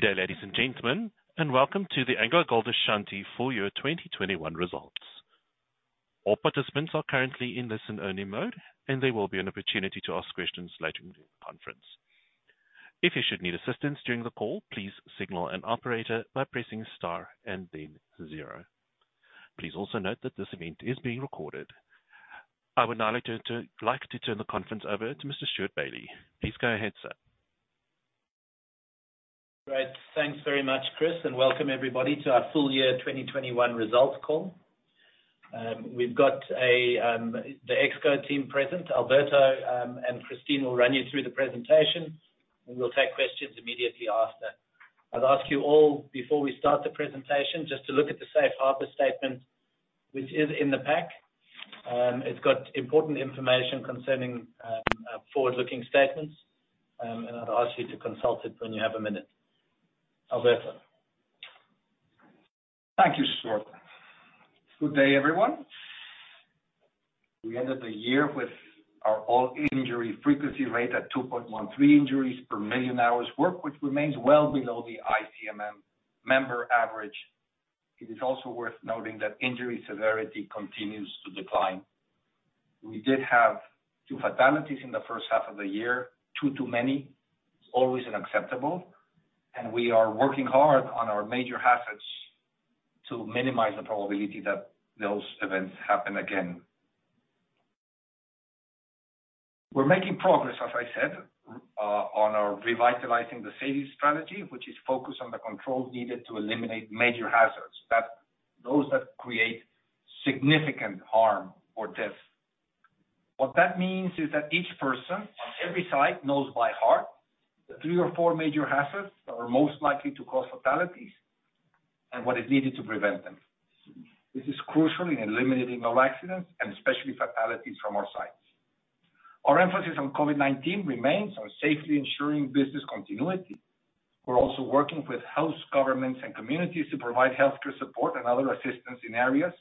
Good day, ladies and gentlemen, and welcome to the AngloGold Ashanti full year 2021 results. All participants are currently in listen-only mode, and there will be an opportunity to ask questions later in the conference. If you should need assistance during the call, please signal an operator by pressing star and then zero. Please also note that this event is being recorded. I would now like to turn the conference over to Mr. Stewart Bailey. Please go ahead, sir. Great. Thanks very much, Chris, and welcome everybody to our full year 2021 results call. We've got the ExCo team present. Alberto and Christine will run you through the presentation, and we'll take questions immediately after. I'll ask you all, before we start the presentation, just to look at the safe harbor statement which is in the pack. It's got important information concerning forward-looking statements. I'd ask you to consult it when you have a minute. Alberto. Thank you, Stewart. Good day, everyone. We ended the year with our all-injury frequency rate at 2.13 injuries per million hours worked, which remains well below the ICMM member average. It is also worth noting that injury severity continues to decline. We did have two fatalities in the first half of the year, two too many, always unacceptable, and we are working hard on our major hazards to minimize the probability that those events happen again. We're making progress, as I said, on our revitalizing the safety strategy, which is focused on the control needed to eliminate major hazards that create significant harm or death. What that means is that each person on every site knows by heart the three or four major hazards that are most likely to cause fatalities and what is needed to prevent them. This is crucial in eliminating all accidents and especially fatalities from our sites. Our emphasis on COVID-19 remains on safely ensuring business continuity. We're also working with health governments and communities to provide healthcare support and other assistance in areas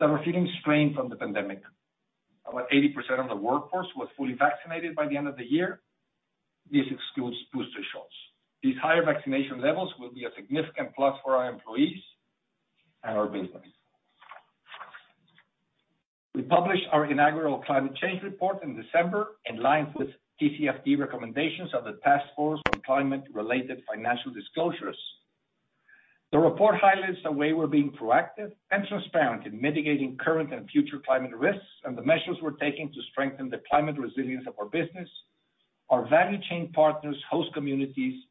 that are feeling strain from the pandemic. About 80% of the workforce was fully vaccinated by the end of the year. This excludes booster shots. These higher vaccination levels will be a significant plus for our employees and our business. We published our inaugural climate change report in December, in line with TCFD recommendations of the task force on climate-related financial disclosures. The report highlights the way we're being proactive and transparent in mitigating current and future climate risks and the measures we're taking to strengthen the climate resilience of our business, our value chain partners, host communities,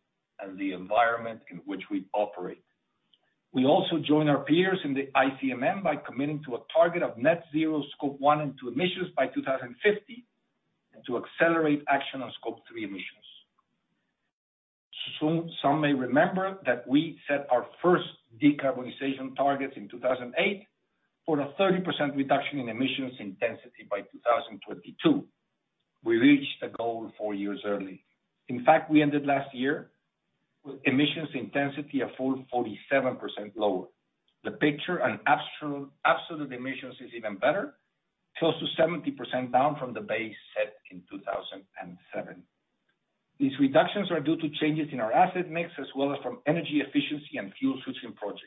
and the environment in which we operate. We also join our peers in the ICMM by committing to a target of net zero scope 1 and 2 emissions by 2050, and to accelerate action on scope 3 emissions. Some may remember that we set our first decarbonization targets in 2008 for a 30% reduction in emissions intensity by 2022. We reached the goal four years early. In fact, we ended last year with emissions intensity a full 47% lower. The picture on absolute emissions is even better, close to 70% down from the base set in 2007. These reductions are due to changes in our asset mix as well as from energy efficiency and fuel switching projects.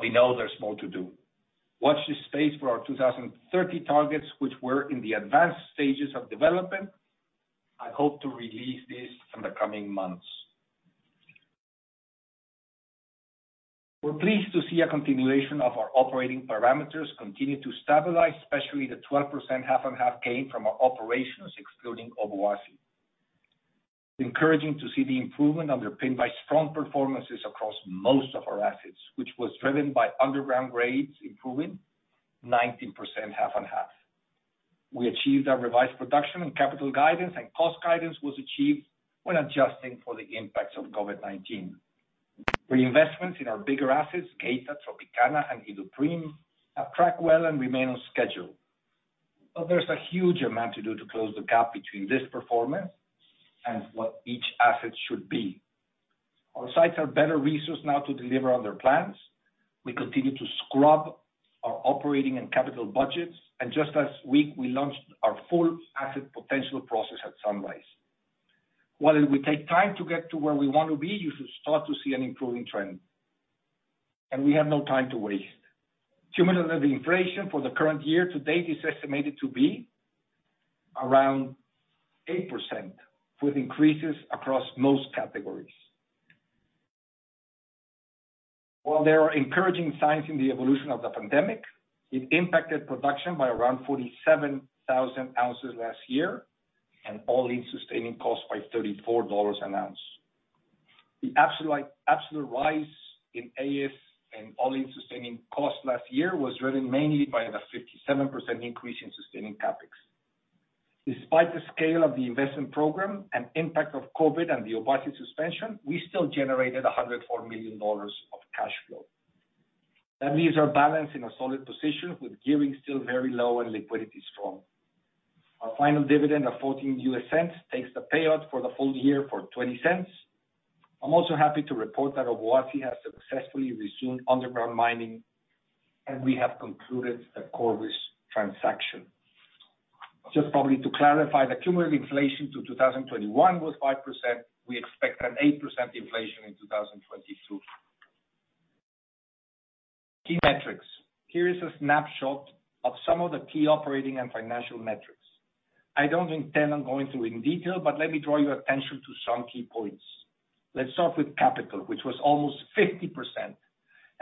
We know there's more to do. Watch this space for our 2030 targets, which we're in the advanced stages of development. I hope to release this in the coming months. We're pleased to see a continuation of our operating parameters continue to stabilize, especially the 12% half-on-half gain from our operations, excluding Obuasi. Encouraging to see the improvement underpinned by strong performances across most of our assets, which was driven by underground grades improving 19% half and half. We achieved our revised production and capital guidance and cost guidance was achieved when adjusting for the impacts of COVID-19. Reinvestments in our bigger assets, Geita, Tropicana, and Iduapriem, have tracked well and remain on schedule. There's a huge amount to do to close the gap between this performance and what each asset should be. Our sites are better resourced now to deliver on their plans. We continue to scrub our operating and capital budgets, and just last week, we launched our full asset potential process at Sunrise. While it will take time to get to where we want to be, you should start to see an improving trend. We have no time to waste. Cumulative inflation for the current year to date is estimated to be around 8%, with increases across most categories. While there are encouraging signs in the evolution of the pandemic, it impacted production by around 47,000 ounces last year and all-in sustaining costs by $34 an ounce. The absolute rise in AIS and all-in sustaining costs last year was driven mainly by the 57% increase in sustaining CapEx. Despite the scale of the investment program and impact of COVID and the Obuasi suspension, we still generated $104 million of cash flow. That leaves our balance in a solid position with gearing still very low and liquidity strong. Our final dividend of $0.14 takes the payout for the full year to $0.20. I'm also happy to report that Obuasi has successfully resumed underground mining, and we have concluded the Corvus transaction. Just probably to clarify, the cumulative inflation to 2021 was 5%. We expect an 8% inflation in 2022. Key metrics. Here is a snapshot of some of the key operating and financial metrics. I don't intend on going through in detail, but let me draw your attention to some key points. Let's start with capital, which was almost 50%.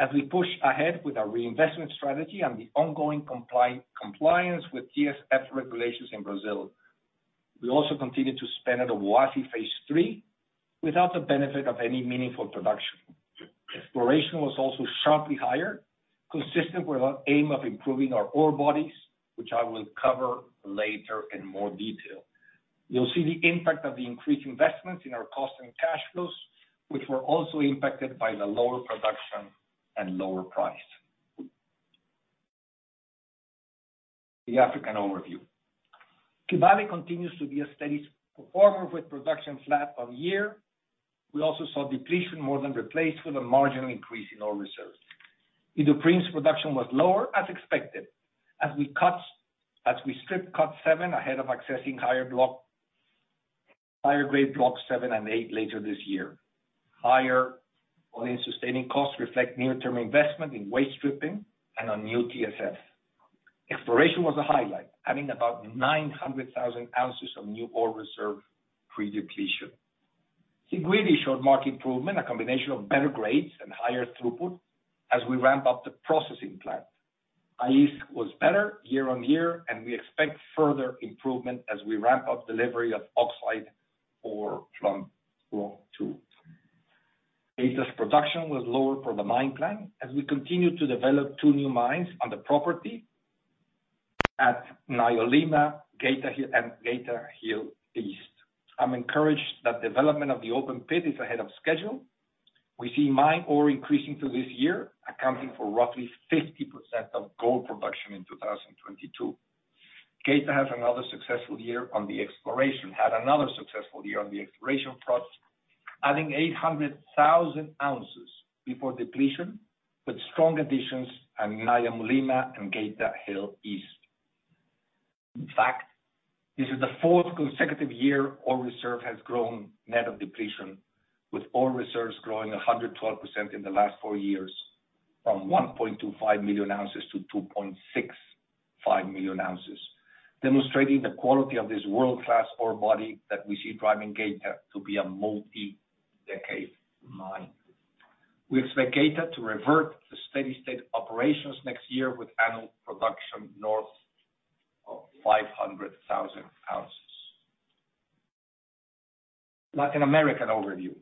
As we push ahead with our reinvestment strategy and the ongoing compliance with TSF regulations in Brazil, we also continue to spend at Obuasi phase three without the benefit of any meaningful production. Exploration was also sharply higher, consistent with our aim of improving our ore bodies, which I will cover later in more detail. You'll see the impact of the increased investments in our cost and cash flows, which were also impacted by the lower production and lower price. The African overview. Kibali continues to be a steady performer with production flat on year. We also saw depletion more than replaced with a marginal increase in ore reserves. Iduapriem's production was lower as expected. As we strip cut 7 ahead of accessing higher block, higher grade block 7 and 8 later this year. Higher all-in sustaining costs reflect near-term investment in waste stripping and on new TSF. Exploration was a highlight, adding about 900,000 ounces of new ore reserve pre-depletion. Siguiri showed marked improvement, a combination of better grades and higher throughput as we ramp up the processing plant. Aïss was better year on year, and we expect further improvement as we ramp up delivery of oxide ore from block two. Geita's production was lower for the mine plan as we continue to develop two new mines on the property at Nyamulilima, Geita Hill East. I'm encouraged that development of the open pit is ahead of schedule. We see mine ore increasing through this year, accounting for roughly 50% of gold production in 2022. Geita had another successful year on the exploration front, adding 800,000 ounces before depletion, with strong additions at Nyamulilima and Geita Hill East. In fact, this is the fourth consecutive year ore reserve has grown net of depletion, with ore reserves growing 112% in the last four years from 1.25 million ounces to 2.65 million ounces. Demonstrating the quality of this world-class ore body that we see driving Geita to be a multi-decade mine. We expect Geita to revert to steady-state operations next year with annual production north of 500,000 ounces. Latin American overview.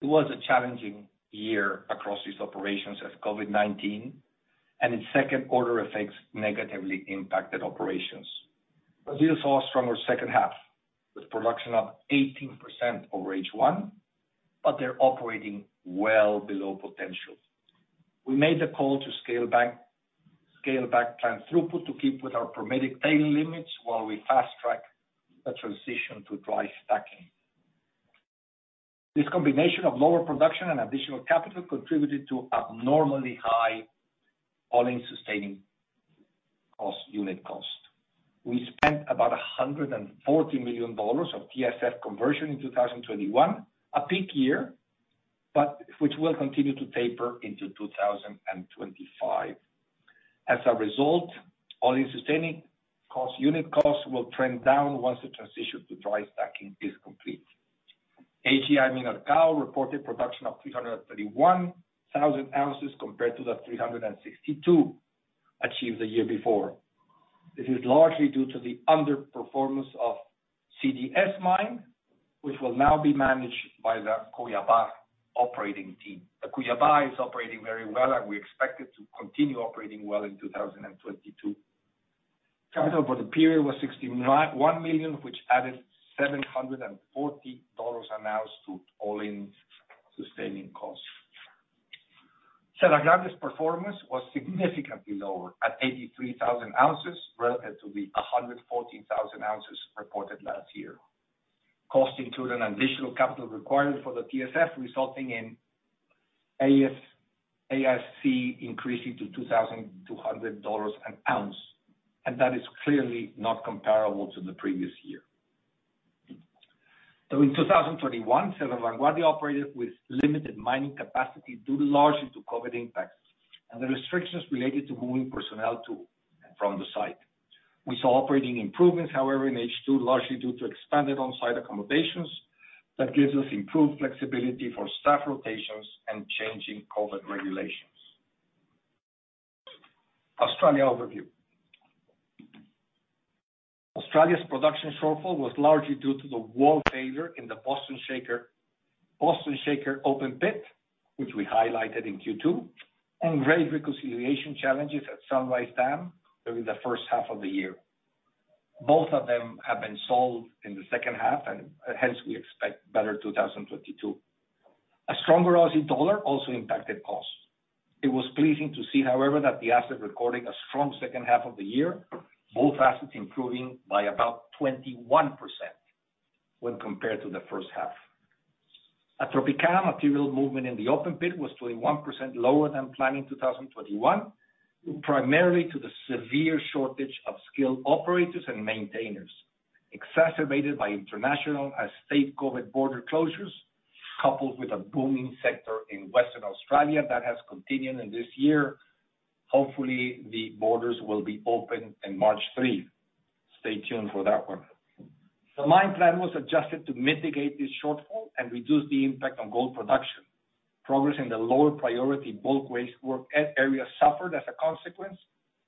It was a challenging year across these operations as COVID-19 and its second order effects negatively impacted operations. Brazil saw a stronger second half with production up 18% over H1, but they're operating well below potential. We made the call to scale back plant throughput to keep with our permitted tailings limits while we fast-track the transition to dry stacking. This combination of lower production and additional capital contributed to abnormally high all-in sustaining cost, unit cost. We spent about $140 million of TSF conversion in 2021, a peak year, but which will continue to taper into 2025. As a result, all-in sustaining cost, unit cost will trend down once the transition to dry stacking is complete. AGA Mineração reported production of 331,000 ounces compared to the 362 achieved the year before. This is largely due to the underperformance of CdS mine, which will now be managed by the Cuiabá operating team. The Cuiabá is operating very well, and we expect it to continue operating well in 2022. Capital for the period was $61 million, which added $740 an ounce to all-in sustaining cost. Cerro Vanguardia's performance was significantly lower at 83,000 ounces relative to the 114,000 ounces reported last year. Costs included an additional capital requirement for the TSF, resulting in AIS, AISC increasing to $2,200 an ounce, and that is clearly not comparable to the previous year. In 2021, Cerro Vanguardia operated with limited mining capacity due largely to COVID impacts and the restrictions related to moving personnel to and from the site. We saw operating improvements, however, in H2, largely due to expanded on-site accommodations that gives us improved flexibility for staff rotations and changing COVID regulations. Australia overview. Australia's production shortfall was largely due to the wall failure in the Boston Shaker open pit, which we highlighted in Q2, and grade reconciliation challenges at Sunrise Dam during the first half of the year. Both of them have been solved in the second half, and hence we expect better 2022. A stronger Aussie dollar also impacted costs. It was pleasing to see, however, that the asset recording a strong second half of the year, both assets improving by about 21% when compared to the first half. At Tropicana, material movement in the open pit was 21% lower than planned in 2021, primarily due to the severe shortage of skilled operators and maintainers, exacerbated by international and state COVID border closures, coupled with a booming sector in Western Australia that has continued in this year. Hopefully, the borders will be open in March 3. Stay tuned for that one. The mine plan was adjusted to mitigate this shortfall and reduce the impact on gold production. Progress in the lower priority bulk waste work area suffered as a consequence,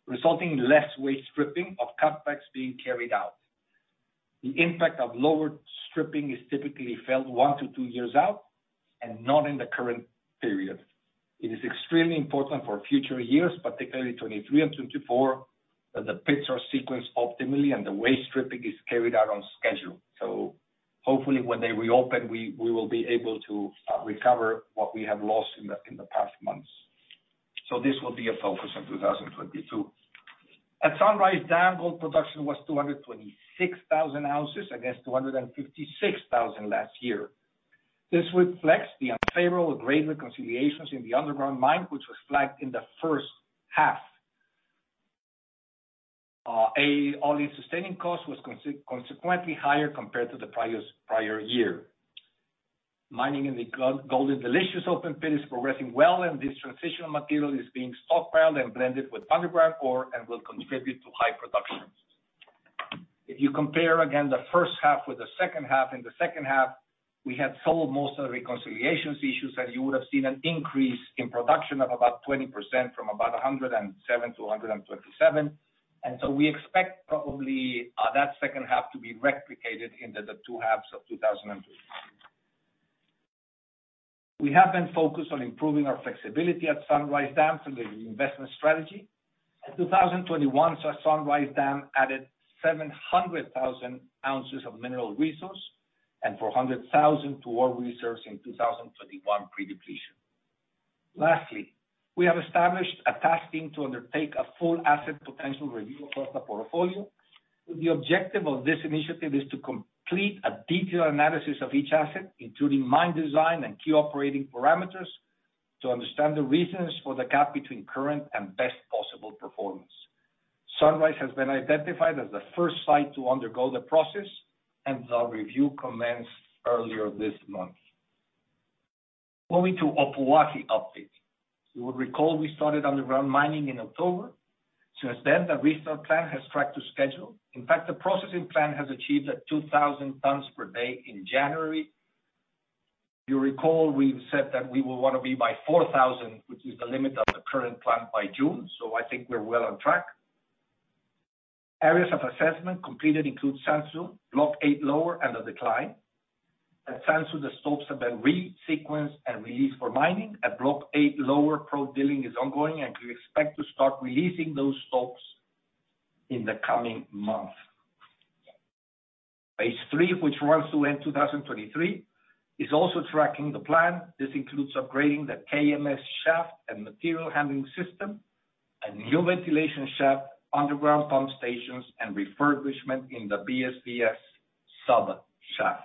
resulting in less waste stripping of cutbacks being carried out. The impact of lower stripping is typically felt 1-2 years out and not in the current period. It is extremely important for future years, particularly 2023 and 2024, that the pits are sequenced optimally and the waste stripping is carried out on schedule. Hopefully when they reopen, we will be able to recover what we have lost in the past months. This will be a focus of 2022. At Sunrise Dam, gold production was 226,000 ounces against 256,000 last year. This reflects the unfavorable grade reconciliations in the underground mine, which was flagged in the first half. All-in sustaining cost was consequently higher compared to the prior year. Mining in the Golden Delicious open pit is progressing well, and this transitional material is being stockpiled and blended with underground ore and will contribute to high production. If you compare again the first half with the second half, in the second half, we had solved most of the reconciliations issues, and you would have seen an increase in production of about 20% from about 107-127. We expect probably that second half to be replicated into the two halves of 2022. We have been focused on improving our flexibility at Sunrise Dam through the investment strategy. In 2021, Sunrise Dam added 700,000 ounces of mineral resource and 400,000 to ore reserves in 2021 pre-depletion. Lastly, we have established a task team to undertake a full asset potential review across the portfolio, and the objective of this initiative is to complete a detailed analysis of each asset, including mine design and key operating parameters, to understand the reasons for the gap between current and best possible performance. Sunrise has been identified as the first site to undergo the process, and the review commenced earlier this month. Moving to Obuasi update. You will recall we started underground mining in October. Since then, the restart plan has tracked to schedule. In fact, the processing plant has achieved 2,000 tons per day in January. If you recall, we said that we will wanna be by 4,000, which is the limit of the current plan by June, so I think we're well on track. Areas of assessment completed include Sansu, Block 8 Lower, and the Decline. At Sansu, the stopes have been re-sequenced and released for mining. At Block 8 Lower, probe drilling is ongoing, and we expect to start releasing those stopes in the coming month. Phase 3, which runs to end 2023, is also tracking the plan. This includes upgrading the KMS shaft and material handling system, a new ventilation shaft, underground pump stations, and refurbishment in the BSP sub-shaft.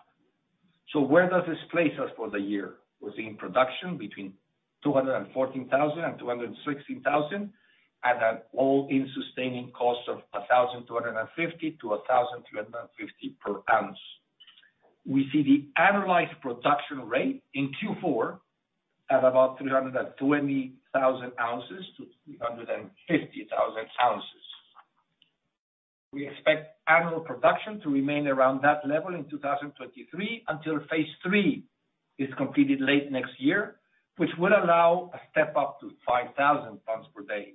Where does this place us for the year? We're seeing production between 214,000 and 216,000 at an all-in sustaining cost of $1,250-$1,350 per ounce. We see the annualized production rate in Q4 at about 320,000 ounces to 350,000 ounces. We expect annual production to remain around that level in 2023 until phase three is completed late next year, which will allow a step up to 5,000 tons per day.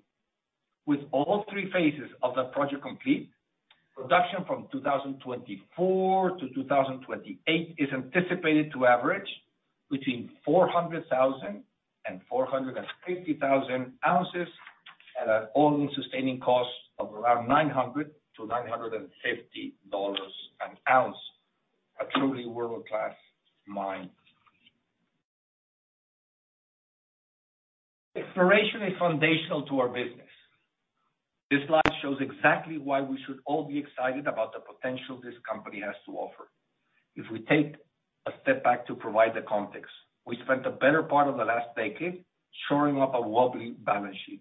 With all three phases of the project complete, production from 2024-2028 is anticipated to average between 400,000 and 450,000 ounces at an all-in sustaining cost of around $900-$950 an ounce. A truly world-class mine. Exploration is foundational to our business. This slide shows exactly why we should all be excited about the potential this company has to offer. If we take a step back to provide the context, we spent the better part of the last decade shoring up a wobbly balance sheet.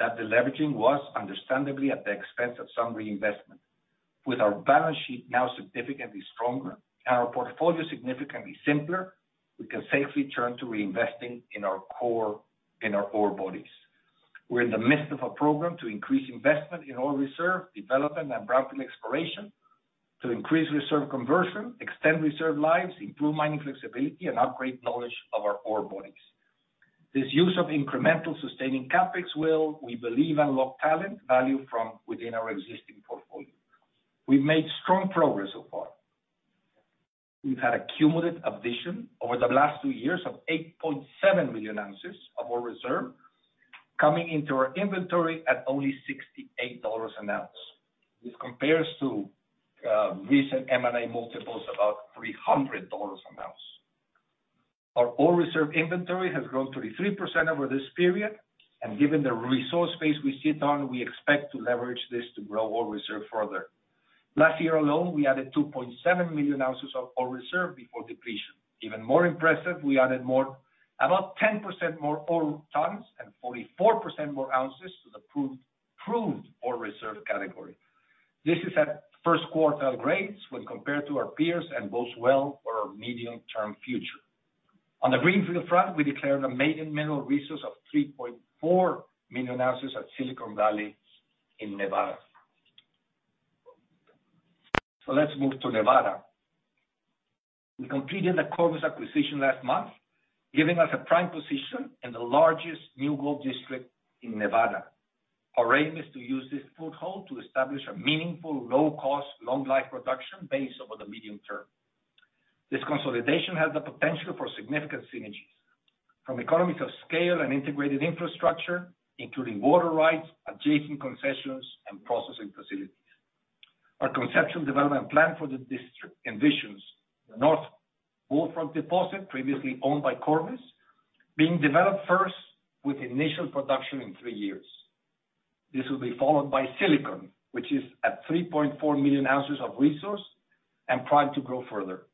That deleveraging was understandably at the expense of some reinvestment. With our balance sheet now significantly stronger and our portfolio significantly simpler, we can safely turn to reinvesting in our core, in our ore bodies. We're in the midst of a program to increase investment in ore reserve, development, and brownfield exploration to increase reserve conversion, extend reserve lives, improve mining flexibility, and upgrade knowledge of our ore bodies. This use of incremental sustaining CapEx will, we believe, unlock talent value from within our existing portfolio. We've made strong progress so far. We've had a cumulative addition over the last two years of 8.7 million ounces of ore reserve coming into our inventory at only $68 an ounce. This compares to recent M&A multiples, about $300 an ounce. Our ore reserve inventory has grown 33% over this period, and given the resource base we sit on, we expect to leverage this to grow ore reserve further. Last year alone, we added 2.7 million ounces of ore reserve before depletion. Even more impressive, we added more, about 10% more ore tons and 44% more ounces to the proved ore reserve category. This is at first quarter grades when compared to our peers and bodes well for our medium-term future. On the greenfield front, we declared a maiden mineral resource of 3.4 million ounces at Silicon in Nevada. Let's move to Nevada. We completed the Corvus acquisition last month, giving us a prime position in the largest new gold district in Nevada. Our aim is to use this foothold to establish a meaningful, low cost, long life production base over the medium term. This consolidation has the potential for significant synergies from economies of scale and integrated infrastructure, including water rights, adjacent concessions, and processing facilities. Our conceptual development plan for the district envisions the North Bullfrog deposit, previously owned by Corvus, being developed first with initial production in three years. This will be followed by Silicon, which is at 3.4 million ounces of resource and primed to grow further,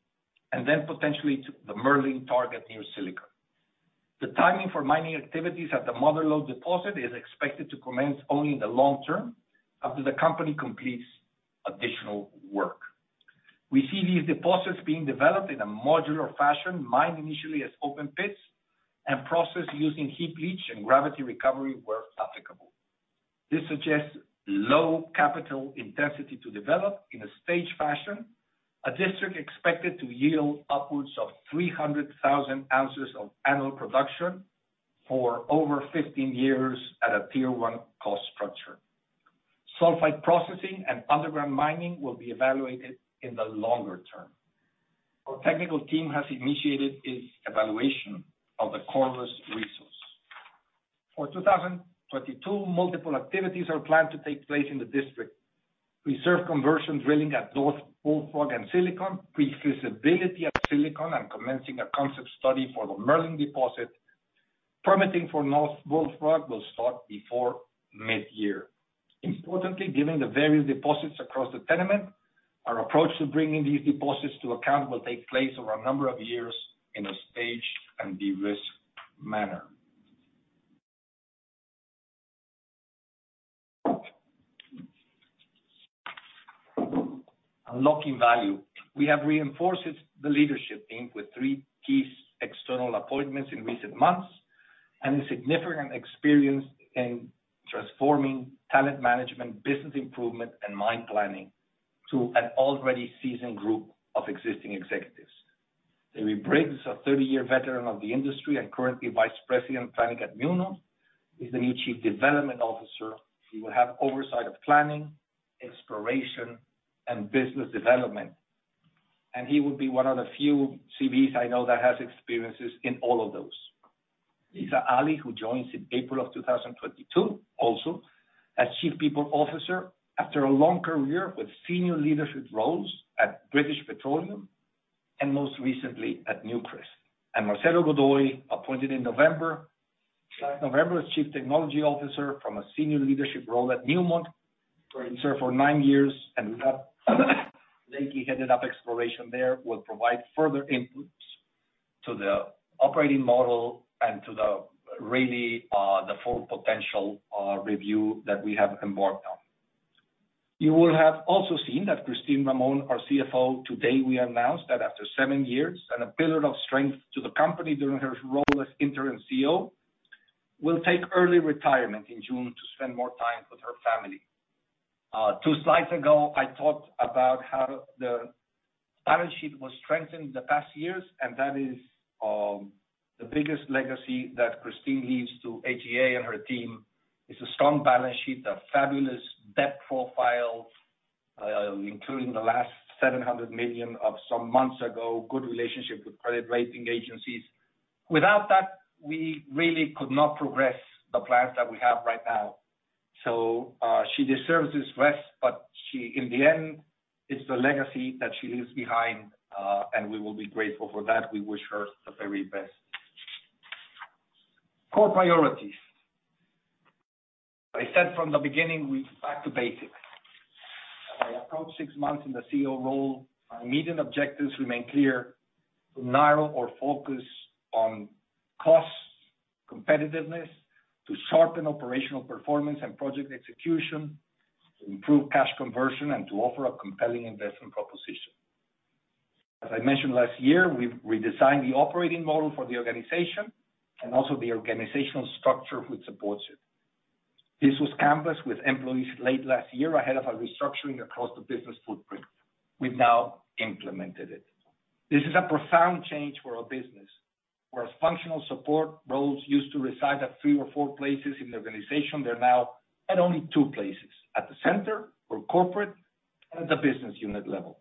and then potentially to the Merlin target near Silicon. The timing for mining activities at the Mother Lode deposit is expected to commence only in the long term after the company completes additional work. We see these deposits being developed in a modular fashion, mined initially as open pits and processed using heap leach and gravity recovery, where applicable. This suggests low capital intensity to develop in a staged fashion, a district expected to yield upwards of 300,000 ounces of annual production for over 15 years at a tier one cost structure. Sulfide processing and underground mining will be evaluated in the longer term. Our technical team has initiated its evaluation of the Corvus resource. For 2022, multiple activities are planned to take place in the district. Reserve conversion drilling at North Bullfrog and Silicon, pre-feasibility at Silicon and commencing a concept study for the Merlin deposit. Permitting for North Bullfrog will start before mid-year. Importantly, given the various deposits across the tenement, our approach to bringing these deposits to account will take place over a number of years in a staged and de-risked manner. Unlocking value. We have reinforced the leadership team with three key external appointments in recent months and a significant experience in transforming talent management, business improvement and mine planning to an already seasoned group of existing executives. Terry Briggs, a 30-year veteran of the industry and currently Vice President Planning at Newmont, is the new Chief Development Officer. He will have oversight of planning, exploration, and business development, and he will be one of the few CVs I know that has experiences in all of those. Lisa Ali, who joins in April 2022, also as Chief People Officer after a long career with senior leadership roles at British Petroleum and most recently at Newcrest. Marcelo Godoy, appointed in November as Chief Technology Officer from a senior leadership role at Newmont, where he served for nine years and headed up exploration there, will provide further inputs to the operating model and to the full potential review that we have embarked on. You will have also seen that Christine Ramon, our CFO, today we announced that after seven years and a pillar of strength to the company during her role as interim CEO, will take early retirement in June to spend more time with her family. Two slides ago, I talked about how the balance sheet was strengthened in the past years, and that is the biggest legacy that Christine Ramon leaves to me and her team: a strong balance sheet, a fabulous debt profile, including the last $700 million some months ago, good relationship with credit rating agencies. Without that, we really could not progress the plans that we have right now. She deserves this rest, but in the end, it is the legacy that she leaves behind, and we will be grateful for that. We wish her the very best. Core priorities. I said from the beginning, we are back to basics. I approach six months in the CEO role. Our immediate objectives remain clear: to narrow or focus on costs, competitiveness, to sharpen operational performance and project execution, to improve cash conversion and to offer a compelling investment proposition. As I mentioned last year, we've redesigned the operating model for the organization and also the organizational structure which supports it. This was canvassed with employees late last year ahead of a restructuring across the business footprint. We've now implemented it. This is a profound change for our business. Whereas functional support roles used to reside at three or four places in the organization, they're now at only two places, at the center or corporate and the business unit level.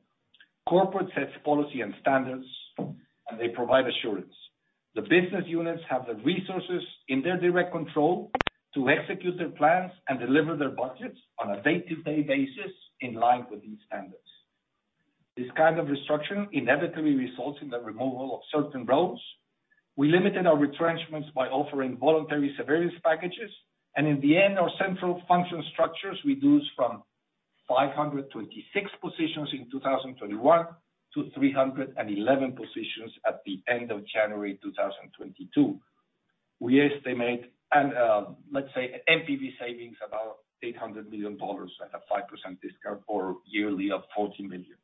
Corporate sets policy and standards, and they provide assurance. The business units have the resources in their direct control to execute their plans and deliver their budgets on a day-to-day basis in line with these standards. This kind of restructuring inevitably results in the removal of certain roles. We limited our retrenchments by offering voluntary severance packages, and in the end, our central function structures reduced from 526 positions in 2021 to 311 positions at the end of January 2022. We estimate and, let's say, NPV savings about $800 million at a 5% discount or yearly of $40 million.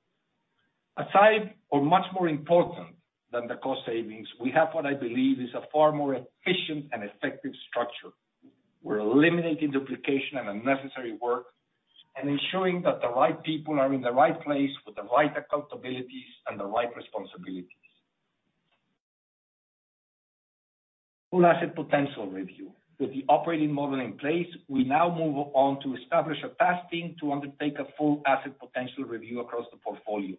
Aside from much more important than the cost savings, we have what I believe is a far more efficient and effective structure. We're eliminating duplication and unnecessary work and ensuring that the right people are in the right place with the right accountabilities and the right responsibilities. Full asset potential review. With the operating model in place, we now move on to establish a task team to undertake a full asset potential review across the portfolio.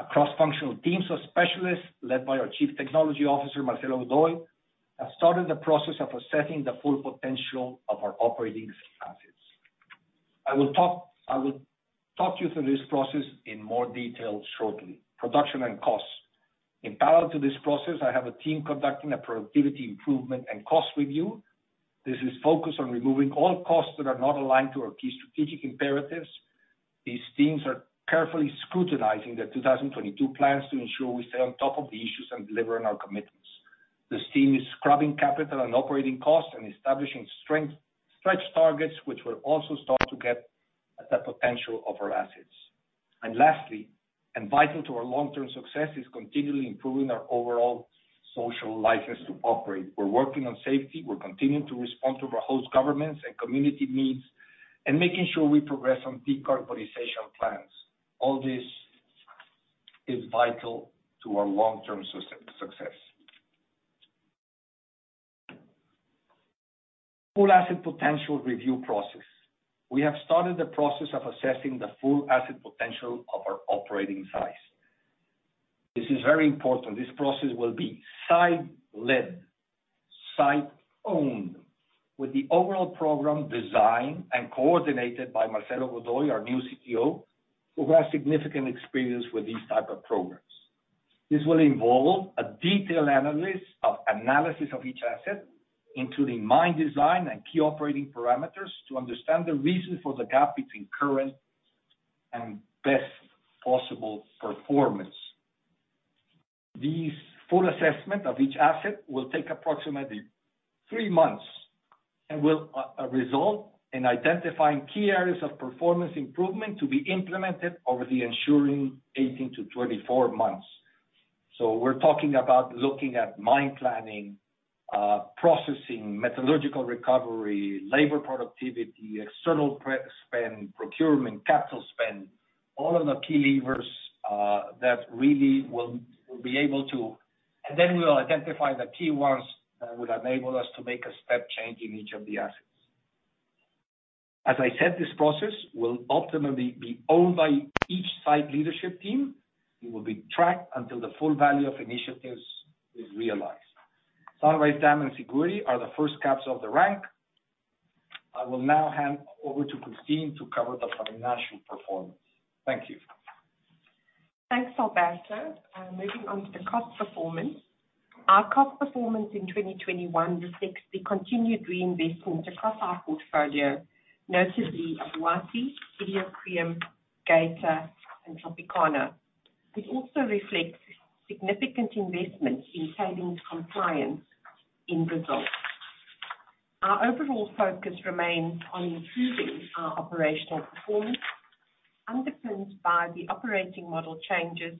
A cross-functional teams of specialists led by our Chief Technology Officer, Marcelo Godoy, have started the process of assessing the full potential of our operating assets. I will talk you through this process in more detail shortly. Production and costs. In parallel to this process, I have a team conducting a productivity improvement and cost review. This is focused on removing all costs that are not aligned to our key strategic imperatives. These teams are carefully scrutinizing the 2022 plans to ensure we stay on top of the issues and deliver on our commitments. This team is scrubbing capital and operating costs and establishing stretch targets, which will also start to get at the potential of our assets. Lastly, key to our long-term success is continually improving our overall social license to operate. We're working on safety. We're continuing to respond to our host governments and community needs and making sure we progress on decarbonization plans. All this is vital to our long-term success. Full asset potential review process. We have started the process of assessing the full asset potential of our operating sites. This is very important. This process will be site-led, site-owned, with the overall program designed and coordinated by Marcelo Godoy, our new CTO, who has significant experience with these type of programs. This will involve a detailed analysis of each asset, including mine design and key operating parameters, to understand the reason for the gap between current and best possible performance. This full assessment of each asset will take approximately three months and will result in identifying key areas of performance improvement to be implemented over the ensuing 18-24 months. We're talking about looking at mine planning, processing, metallurgical recovery, labor productivity, external pre-spend, procurement, capital spend, all of the key levers that really will be able to, and then we'll identify the key ones that would enable us to make a step change in each of the assets. As I said, this process will ultimately be owned by each site leadership team. It will be tracked until the full value of initiatives is realized. Sunrise Dam and Siguiri are the first cabs off the rank. I will now hand over to Christine to cover the financial performance. Thank you. Thanks, Alberto. Moving on to the cost performance. Our cost performance in 2021 reflects the continued reinvestment across our portfolio, notably Obuasi, Iduapriem, Geita, and Tropicana. It also reflects significant investments in tailings compliance in Brazil. Our overall focus remains on improving our operational performance, underpinned by the operating model changes,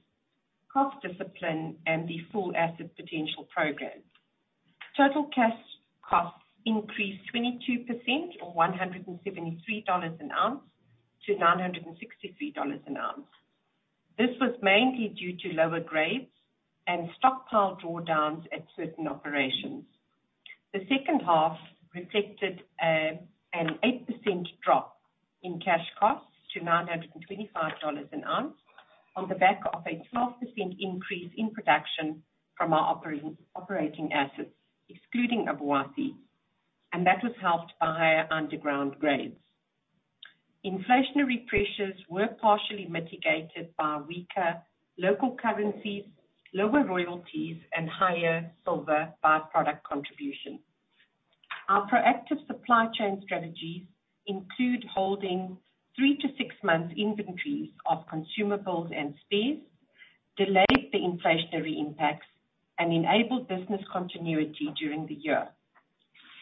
cost discipline, and the full asset potential program. Total cash costs increased 22% or $173 an ounce to $963 an ounce. This was mainly due to lower grades and stockpile drawdowns at certain operations. The second half reflected an 8% drop in cash costs to $925 an ounce on the back of a 12% increase in production from our operating assets, excluding Obuasi, and that was helped by higher underground grades. Inflationary pressures were partially mitigated by weaker local currencies, lower royalties, and higher silver by-product contribution. Our proactive supply chain strategies include holding 3-6 months inventories of consumables and spares, delayed the inflationary impacts, and enabled business continuity during the year.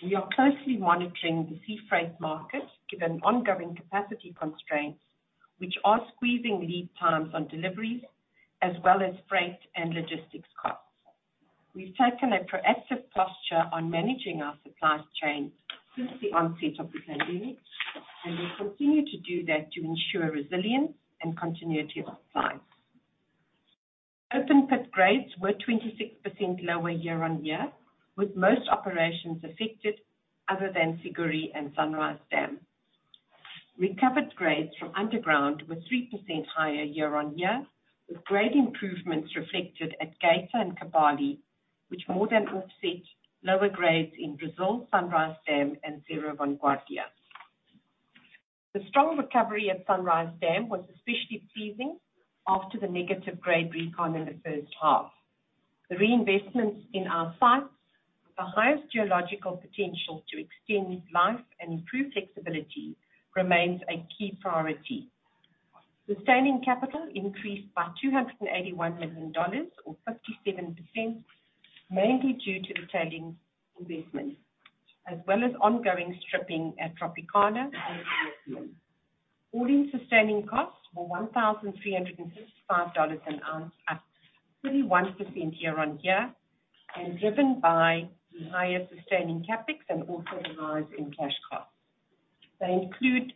We are closely monitoring the sea freight market given ongoing capacity constraints, which are squeezing lead times on deliveries as well as freight and logistics costs. We've taken a proactive posture on managing our supply chain since the onset of the pandemic, and we'll continue to do that to ensure resilience and continuity of supply. Open pit grades were 26% lower year-on-year, with most operations affected other than Siguiri and Sunrise Dam. Recovered grades from underground were 3% higher year-on-year, with grade improvements reflected at Geita and Kibali, which more than offset lower grades in Brazil, Sunrise Dam, and Serra Grande. The strong recovery at Sunrise Dam was especially pleasing after the negative grade recon in the first half. The reinvestments in our sites with the highest geological potential to extend life and improve flexibility remains a key priority. Sustaining capital increased by $281 million or 57%, mainly due to the tailings investments as well as ongoing stripping at Tropicana, and all-in sustaining costs were $1,365 an ounce, up 31% year-on-year, and driven by the higher sustaining CapEx and also the rise in cash costs. They include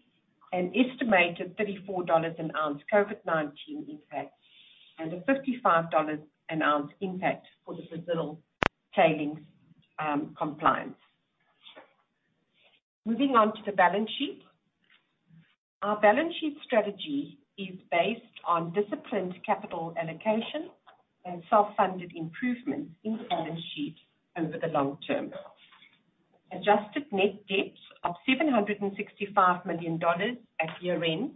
an estimated $34 an ounce COVID-19 impact and a $55 an ounce impact for the Brazil tailings compliance. Moving on to the balance sheet. Our balance sheet strategy is based on disciplined capital allocation and self-funded improvements in the balance sheet over the long term. Adjusted net debt of $765 million at year-end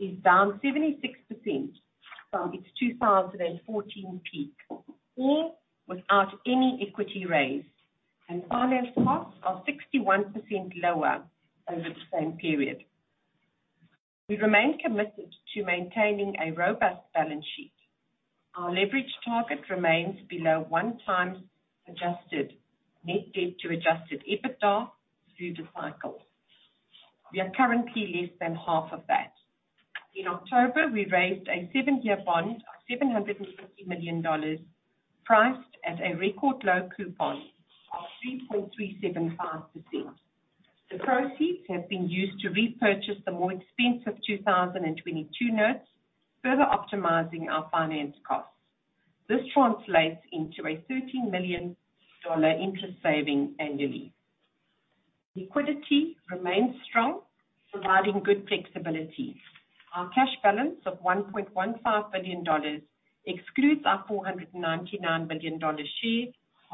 is down 76% from its 2014 peak, all without any equity raise, and finance costs are 61% lower over the same period. We remain committed to maintaining a robust balance sheet. Our leverage target remains below 1x adjusted net debt to adjusted EBITDA through the cycle. We are currently less than half of that. In October, we raised a seven-year bond of $750 million, priced at a record low coupon of 3.375%. The proceeds have been used to repurchase the more expensive 2022 notes, further optimizing our finance costs. This translates into a $13 million interest saving annually. Liquidity remains strong, providing good flexibility. Our cash balance of $1.15 billion excludes our $499 million share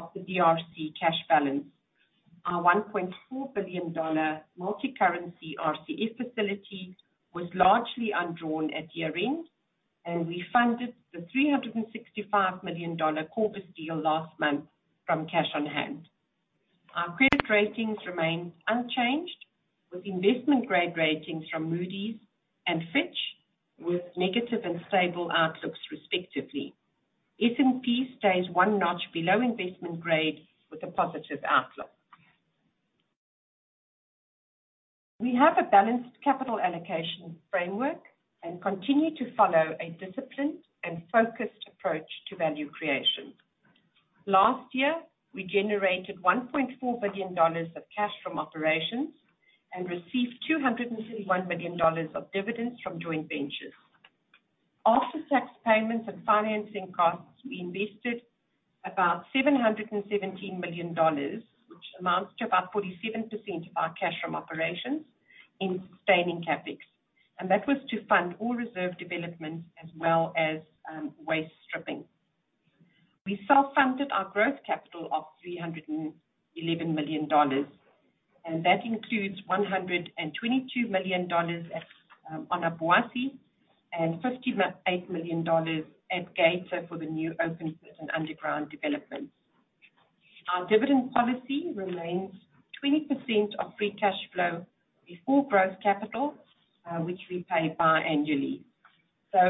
of the DRC cash balance. Our $1.4 billion multicurrency RCF facility was largely undrawn at year-end, and we funded the $365 million Corvus deal last month from cash on hand. Our credit ratings remain unchanged, with investment-grade ratings from Moody's and Fitch, with negative and stable outlooks respectively. S&P stays one notch below investment grade with a positive outlook. We have a balanced capital allocation framework and continue to follow a disciplined and focused approach to value creation. Last year, we generated $1.4 billion of cash from operations and received $231 million of dividends from joint ventures. After tax payments and financing costs, we invested about $717 million, which amounts to about 47% of our cash from operations in sustaining CapEx. That was to fund all reserve developments as well as waste stripping. We self-funded our growth capital of $311 million, and that includes $122 million at Obuasi and $58 million at Geita for the new open pit and underground development. Our dividend policy remains 20% of free cash flow before growth capital, which we pay biannually.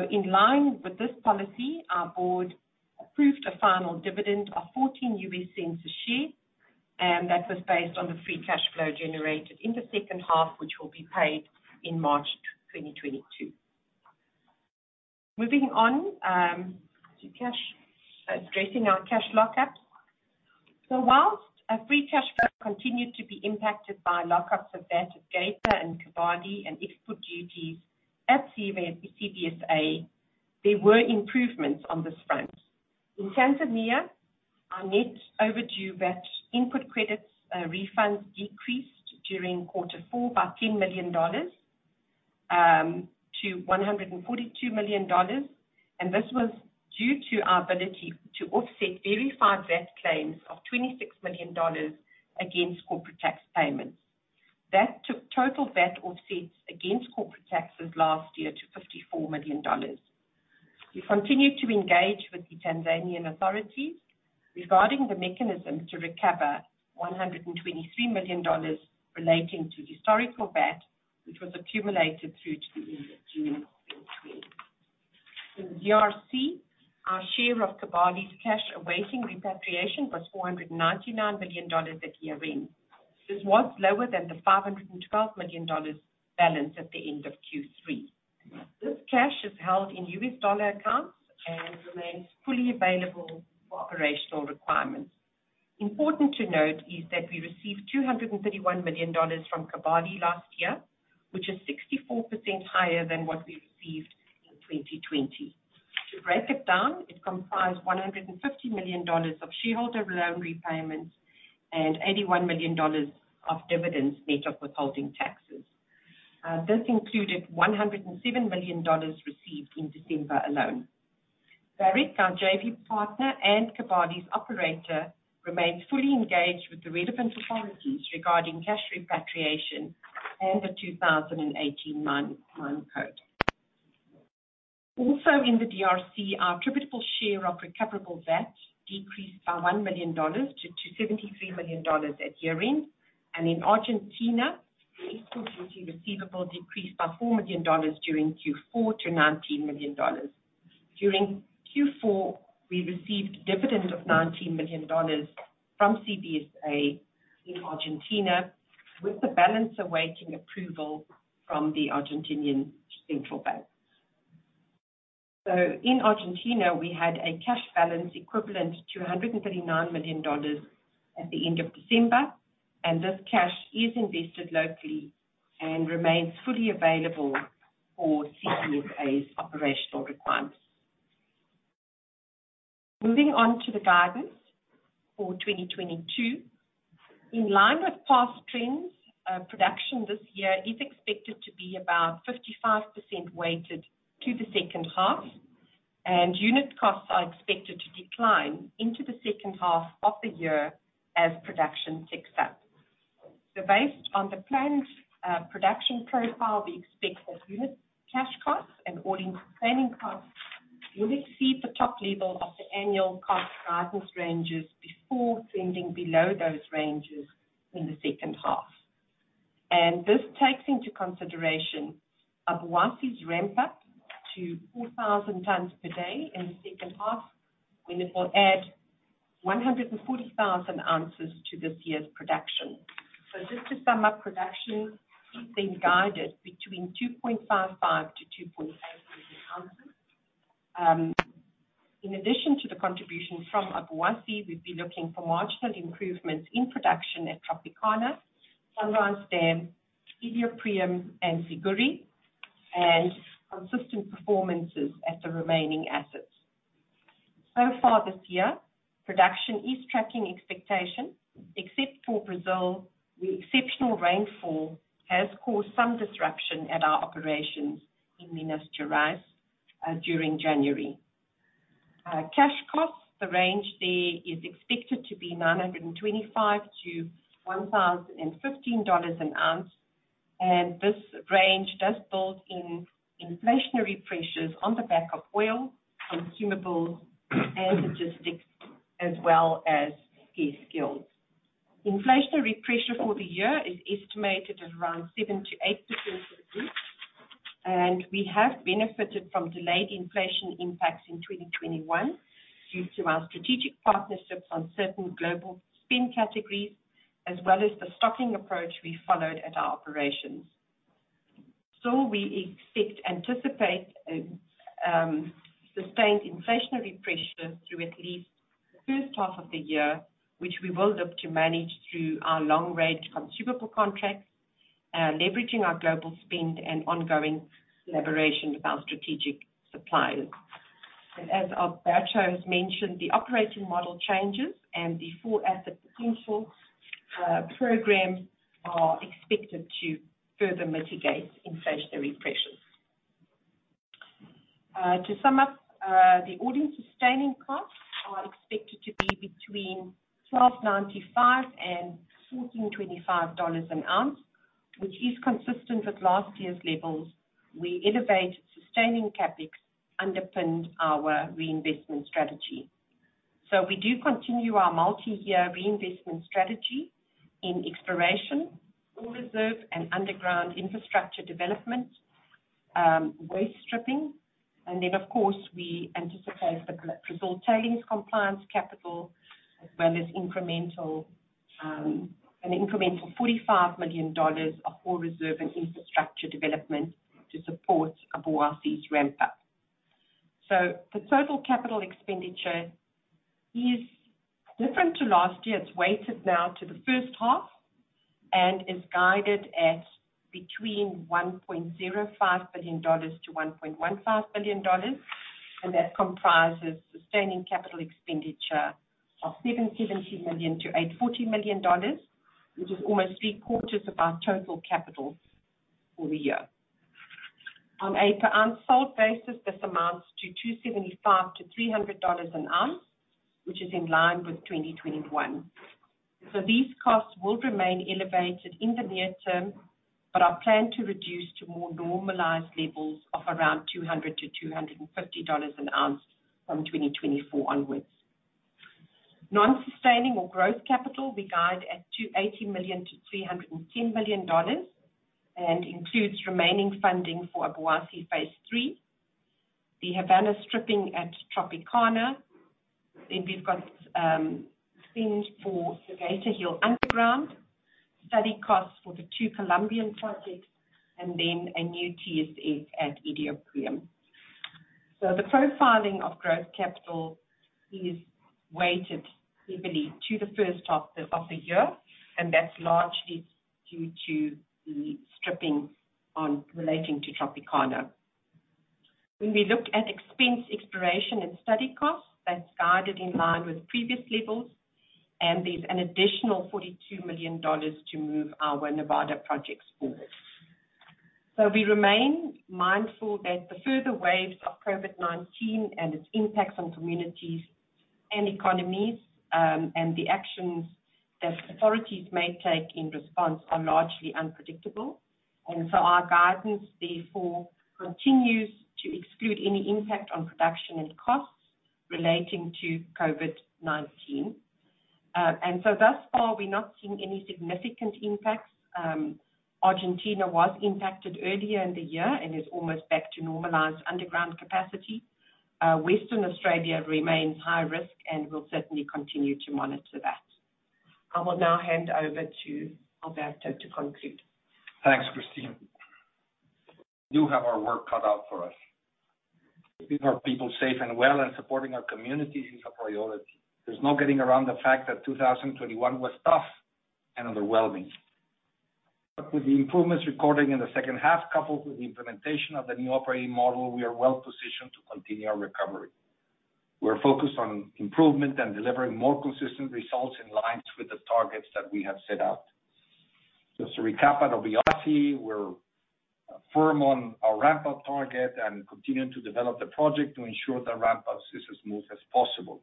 In line with this policy, our board approved a final dividend of $0.14 a share, and that was based on the free cash flow generated in the second half, which will be paid in March 2022. Moving on to cash. Addressing our cash lock-ups. While our free cash flow continued to be impacted by lock-ups of VAT at Geita and Kibali and export duties at CVSA, there were improvements on this front. In Tanzania, our net overdue VAT input credits refunds decreased during quarter four by $10 million to $142 million, and this was due to our ability to offset verified VAT claims of $26 million against corporate tax payments. That took total VAT offsets against corporate taxes last year to $54 million. We continue to engage with the Tanzanian authorities regarding the mechanism to recover $123 million relating to historical VAT, which was accumulated through to the end of June 2020. In the DRC, our share of Kibali's cash awaiting repatriation was $499 million at year-end. This was lower than the $512 million balance at the end of Q3. This cash is held in US dollar accounts and remains fully available for operational requirements. Important to note is that we received $231 million from Kibali last year, which is 64% higher than what we received in 2020. To break it down, it comprised $150 million of shareholder loan repayments and $81 million of dividends net of withholding taxes. This included $107 million received in December alone. Barrick, our JV partner and Kibali's operator, remains fully engaged with the relevant authorities regarding cash repatriation and the 2018 Mining Code. Also in the DRC, our attributable share of recoverable VAT decreased by $1 million to $73 million at year-end. In Argentina, interest receivable decreased by $4 million during Q4 to $19 million. During Q4, we received a dividend of $19 million from CBSA in Argentina, with the balance awaiting approval from the Argentine Central Bank. In Argentina, we had a cash balance equivalent to $139 million at the end of December, and this cash is invested locally and remains fully available for CBSA's operational requirements. Moving on to the guidance for 2022. In line with past trends, production this year is expected to be about 55% weighted to the second half, and unit costs are expected to decline into the second half of the year as production picks up. Based on the planned production profile, we expect that unit cash costs and all-in sustaining costs will exceed the top level of the annual cost guidance ranges before trending below those ranges in the second half. This takes into consideration Obuasi's ramp-up to 4,000 tons per day in the second half, and it will add 140,000 ounces to this year's production. Just to sum up production, we've been guided between 2.55-2.8 million ounces. In addition to the contribution from Obuasi, we'd be looking for marginal improvements in production at Tropicana, Sunrise Dam, Iduapriem, and Siguiri, and consistent performances at the remaining assets. So far this year, production is tracking expectation. Except for Brazil, where exceptional rainfall has caused some disruption at our operations in Minas Gerais during January. Cash costs, the range there is expected to be $925-$1,015 an ounce, and this range does build in inflationary pressures on the back of oil, consumables, and logistics, as well as pay scales. Inflationary pressure for the year is estimated at around 7%-8%, and we have benefited from delayed inflation impacts in 2021 due to our strategic partnerships on certain global spend categories, as well as the stocking approach we followed at our operations. We anticipate sustained inflationary pressure through at least the first half of the year, which we will look to manage through our long-range consumable contracts, leveraging our global spend and ongoing collaboration with our strategic suppliers. As Alberto has mentioned, the operating model changes and the full asset potential programs are expected to further mitigate inflationary pressures. To sum up, the all-in sustaining costs are expected to be between $1,295 and $1,425 an ounce, which is consistent with last year's levels. AISC and sustaining CapEx underpin our reinvestment strategy. We do continue our multi-year reinvestment strategy in exploration, ore reserve, and underground infrastructure development, waste stripping. Of course, we anticipate the Brazil tailings compliance capital as well as an incremental $45 million of ore reserve and infrastructure development to support Obuasi's ramp-up. The total capital expenditure is different to last year. It's weighted now to the first half and is guided at between $1.05 billion-$1.15 billion, and that comprises sustaining capital expenditure of $770 million-$840 million, which is almost three-quarters of our total capital for the year. On a per ounce sold basis, this amounts to $275-$300 an ounce, which is in line with 2021. These costs will remain elevated in the near term, but are planned to reduce to more normalized levels of around $200-$250 an ounce from 2024 onwards. Non-sustaining or growth capital, we guide at $280 million-$310 million and includes remaining funding for Obuasi Phase Three, the Havana stripping at Tropicana. We've got things for the Geita Hill underground, study costs for the two Colombian projects, and then a new TSF at Iduapriem. The profiling of growth capital is weighted heavily to the first half of the year, and that's largely due to the stripping relating to Tropicana. When we look at exploration expense and study costs, that's guided in line with previous levels, and there's an additional $42 million to move our Nevada projects forward. We remain mindful that the further waves of COVID-19 and its impacts on communities and economies, and the actions that authorities may take in response are largely unpredictable. Our guidance therefore continues to exclude any impact on production and costs relating to COVID-19. Thus far, we're not seeing any significant impacts. Argentina was impacted earlier in the year and is almost back to normalized underground capacity. Western Australia remains high risk, and we'll certainly continue to monitor that. I will now hand over to Alberto to conclude. Thanks, Christine. We do have our work cut out for us. Keeping our people safe and well and supporting our community is a priority. There's no getting around the fact that 2021 was tough and underwhelming. With the improvements recorded in the second half, coupled with the implementation of the new operating model, we are well-positioned to continue our recovery. We're focused on improvement and delivering more consistent results in line with the targets that we have set out. Just to recap at Obuasi, we're firm on our ramp-up target and continuing to develop the project to ensure the ramp-up is as smooth as possible.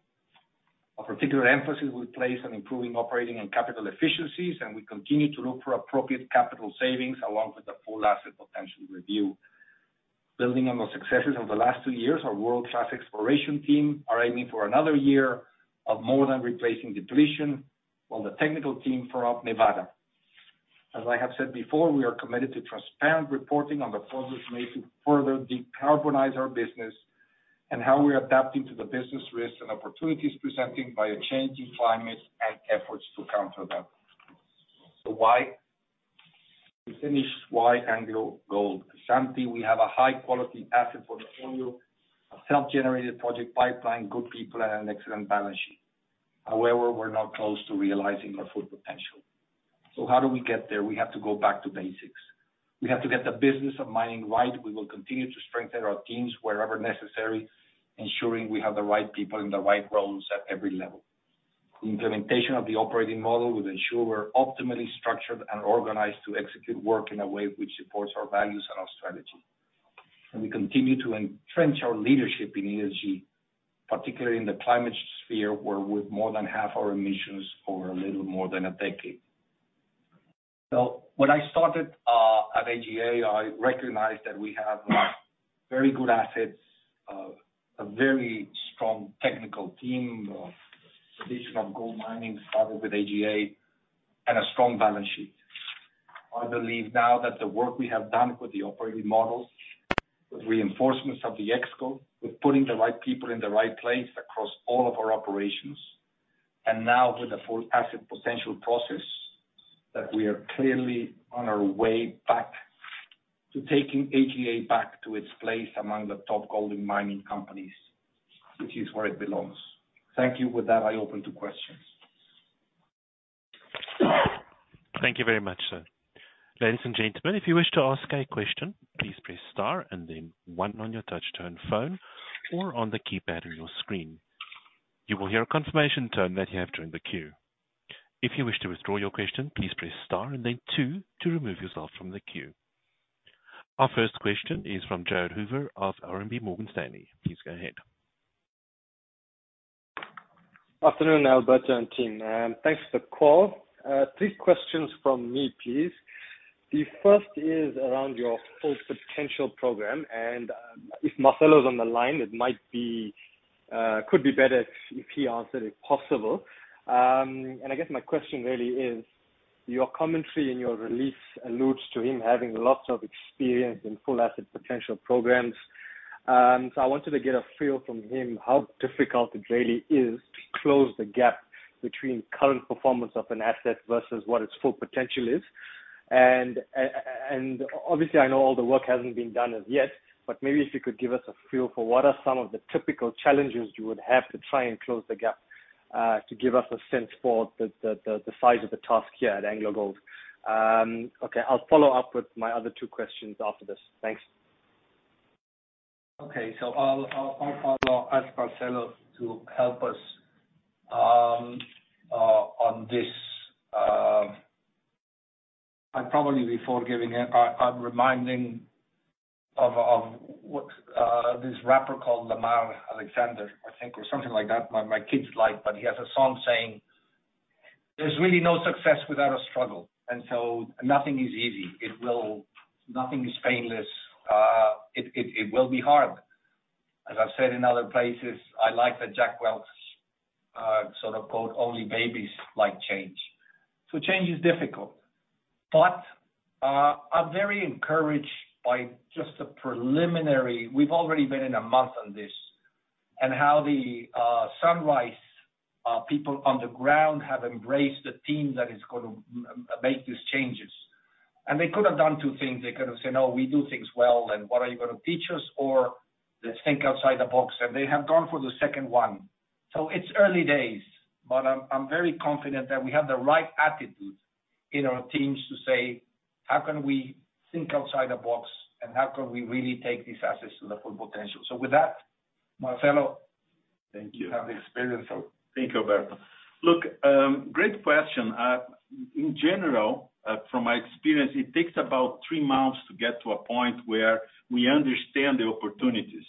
A particular emphasis we place on improving operating and capital efficiencies, and we continue to look for appropriate capital savings along with the full asset potential review. Building on the successes of the last two years, our world-class exploration team are aiming for another year of more than replacing depletion, while the technical team for Nevada. As I have said before, we are committed to transparent reporting on the progress made to further decarbonize our business and how we're adapting to the business risks and opportunities presented by a changing climate and efforts to counter that. Why? To finish why AngloGold Ashanti. At AngloGold Ashanti, we have a high-quality asset portfolio, a self-generated project pipeline, good people, and an excellent balance sheet. However, we're not close to realizing our full potential. How do we get there? We have to go back to basics. We have to get the business of mining right. We will continue to strengthen our teams wherever necessary, ensuring we have the right people in the right roles at every level. Implementation of the operating model will ensure we're optimally structured and organized to execute work in a way which supports our values and our strategy. We continue to entrench our leadership in ESG, particularly in the climate sphere, where we've reduced more than half our emissions in a little more than a decade. When I started at AGA, I recognized that we have very good assets, a very strong technical team of traditional gold mining started with AGA and a strong balance sheet. I believe now that the work we have done with the operating models, with reinforcements of the ExCo, with putting the right people in the right place across all of our operations, and now with the full asset potential process, that we are clearly on our way back to taking AGA back to its place among the top gold mining companies, which is where it belongs. Thank you. With that, I open to questions. Thank you very much, sir. Ladies and gentlemen, if you wish to ask a question, please press star and then one on your touch-tone phone or on the keypad on your screen. You will hear a confirmation tone that you have joined the queue. If you wish to withdraw your question, please press star and then two to remove yourself from the queue. Our first question is from Jared Hoover of RMB Morgan Stanley. Please go ahead. afternoon, Alberto and team. Thanks for the call. Three questions from me, please. The first is around your Full Potential program, and if Marcelo is on the line, it could be better if he answered, if possible. I guess my question really is, your commentary in your release alludes to him having lots of experience in full asset potential programs. I wanted to get a feel from him how difficult it really is to close the gap between current performance of an asset versus what its full potential is. Obviously, I know all the work hasn't been done as yet, but maybe if you could give us a feel for what are some of the typical challenges you would have to try and close the gap, to give us a sense for the size of the task here at AngloGold. Okay. I'll follow up with my other two questions after this. Thanks. Okay. I'll ask Marcelo to help us on this. I'm reminded of what this rapper called Kendrick Lamar, I think, or something like that, my kids like, but he has a song saying, "There's really no success without a struggle." Nothing is easy. Nothing is painless. It will be hard. As I've said in other places, I like that Jack Welch sort of quote, "Only babies like change." Change is difficult. I'm very encouraged by just the preliminary. We've already been in a month on this, and how the Sunrise people on the ground have embraced the team that is gonna make these changes. They could have done two things. They could have said, "No, we do things well, and what are you gonna teach us?" "Let's think outside the box." They have gone for the second one. It's early days, but I'm very confident that we have the right attitude in our teams to say, "How can we think outside the box, and how can we really take these assets to their full potential?" With that, Marcelo. Thank you. You have the experience of- Thank you, Alberto Calderon. Look, great question. In general, from my experience, it takes about three months to get to a point where we understand the opportunities.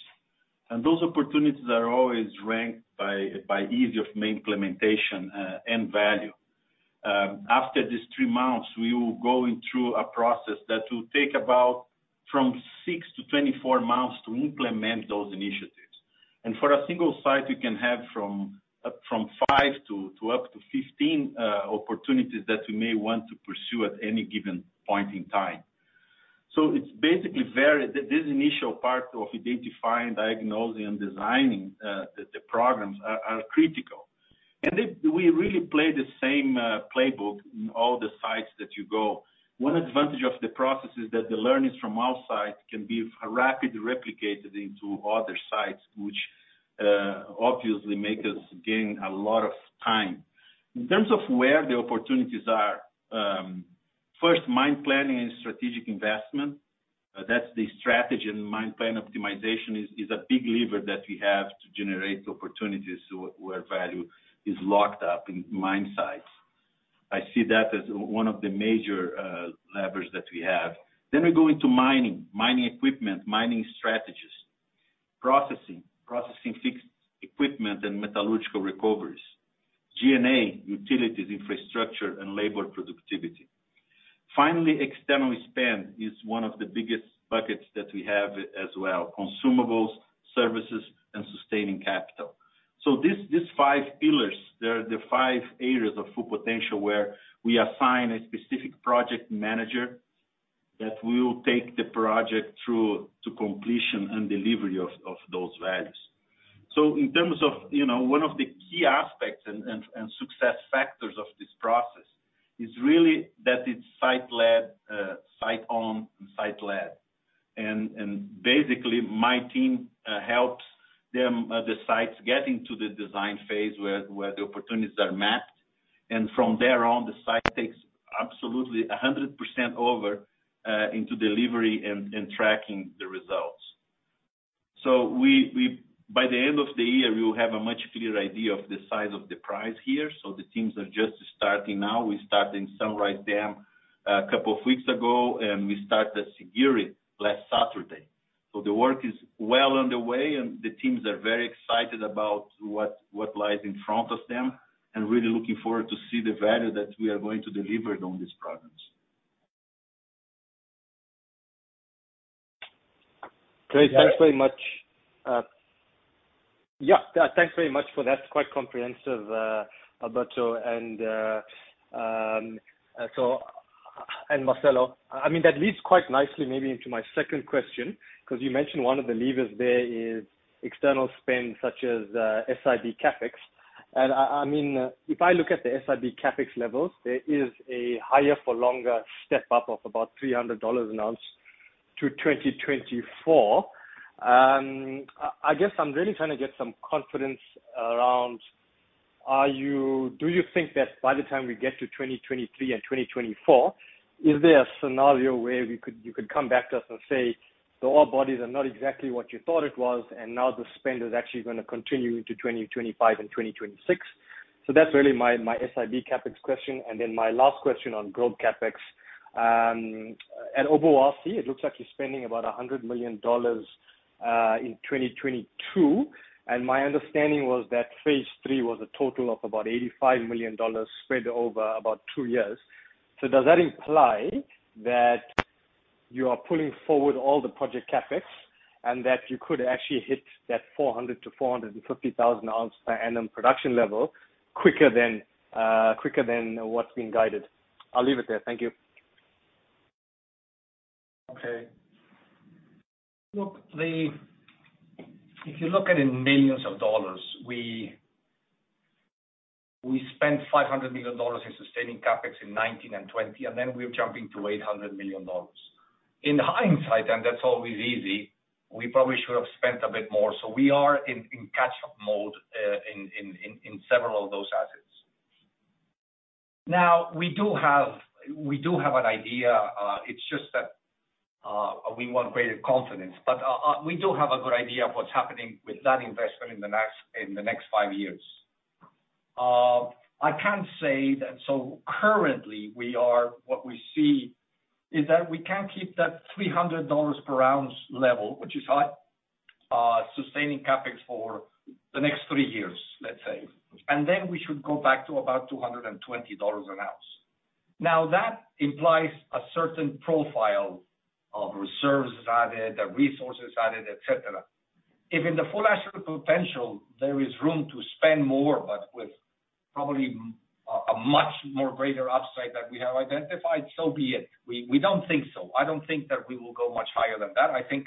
Those opportunities are always ranked by ease of implementation and value. After these three months, we will go through a process that will take about 6-24 months to implement those initiatives. For a single site, we can have from five to up to 15 opportunities that we may want to pursue at any given point in time. This initial part of identifying, diagnosing, and designing the programs are critical. We really play the same playbook in all the sites that you go. One advantage of the process is that the learnings from our site can be rapidly replicated into other sites, which obviously make us gain a lot of time. In terms of where the opportunities are, first, mine planning and strategic investment. That's the strategy, and mine plan optimization is a big lever that we have to generate opportunities where value is locked up in mine sites. I see that as one of the major levers that we have. We go into mining equipment, mining strategies. Processing fixed equipment and metallurgical recoveries. G&A, utilities, infrastructure, and labor productivity. Finally, external spend is one of the biggest buckets that we have as well, consumables, services, and sustaining capital. These five pillars, they're the five areas of full potential where we assign a specific project manager that will take the project through to completion and delivery of those values. In terms of, you know, one of the key aspects and success factors of this process is really that it's site-led, site-owned, and site-led. Basically, my team helps them, the sites get into the design phase where the opportunities are mapped. From there on, the site takes absolutely 100% over into delivery and tracking the results. By the end of the year, we will have a much clearer idea of the size of the prize here, so the teams are just starting now. We start in Sunrise Dam a couple of weeks ago, and we start at Siguiri last Saturday. The work is well underway, and the teams are very excited about what lies in front of them, and really looking forward to see the value that we are going to deliver on these projects. Great. Thanks very much. Thanks very much for that. Quite comprehensive, Alberto and Marcelo. I mean, that leads quite nicely maybe into my second question, 'cause you mentioned one of the levers there is external spend such as SIB CapEx. I mean, if I look at the SIB CapEx levels, there is a higher for longer step-up of about $300 an ounce to 2024. I guess I'm really trying to get some confidence around do you think that by the time we get to 2023 and 2024, is there a scenario where you could come back to us and say, "The ore bodies are not exactly what you thought it was, and now the spend is actually gonna continue into 2025 and 2026"? That's really my SIB CapEx question. Then my last question on gold CapEx. At Obuasi, it looks like you're spending about $100 million in 2022. My understanding was that phase three was a total of about $85 million spread over about two years. Does that imply that you are pulling forward all the project CapEx, and that you could actually hit that 400,000-450,000 ounces per annum production level quicker than what's been guided? I'll leave it there. Thank you. If you look at it in millions of dollars, we spent $500 million in sustaining CapEx in 2019 and 2020, and then we're jumping to $800 million. In hindsight, that's always easy, we probably should have spent a bit more. We are in catch-up mode in several of those assets. Now, we do have an idea, it's just that we want greater confidence. We do have a good idea of what's happening with that investment in the next five years. I can say that so currently what we see is that we can keep that $300 per ounce level, which is high, sustaining CapEx for the next three years, let's say. We should go back to about $220 an ounce. Now, that implies a certain profile of reserves added, resources added, et cetera. If in the full actual potential, there is room to spend more, but with probably a much more greater upside that we have identified, so be it. We don't think so. I don't think that we will go much higher than that. I think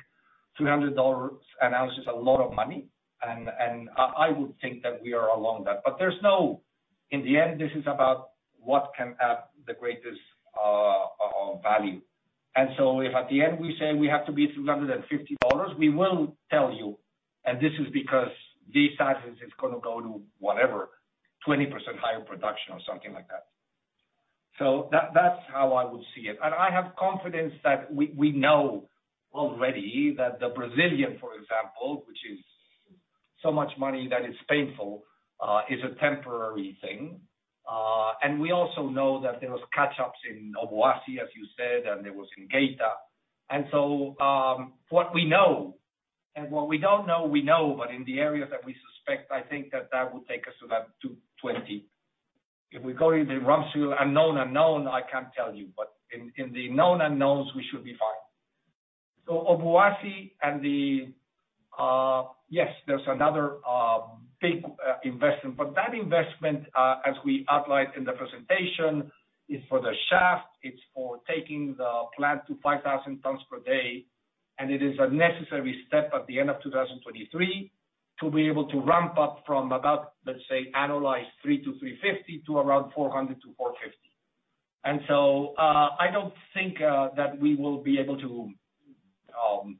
$300 an ounce is a lot of money and I would think that we are along that. But there's no. In the end, this is about what can add the greatest value. If at the end we say we have to be $350, we will tell you, "And this is because this asset is gonna go to whatever, 20% higher production," or something like that. That's how I would see it. I have confidence that we know already that the Brazilian, for example, which is so much money that is painful, is a temporary thing. We also know that there was catch-ups in Obuasi, as you said, and there was in Geita. What we know and what we don't know, we know, but in the areas that we suspect, I think that will take us to that $220. If we go in the Rumsfeld unknown unknowns, I can't tell you. But in the known unknowns, we should be fine. Obuasi and yes, there's another big investment. But that investment, as we outlined in the presentation, is for the shaft. It's for taking the plant to 5,000 tons per day. It is a necessary step at the end of 2023 to be able to ramp up from about, let's say, around 300-350 to around 400-450. I don't think that we will be able to,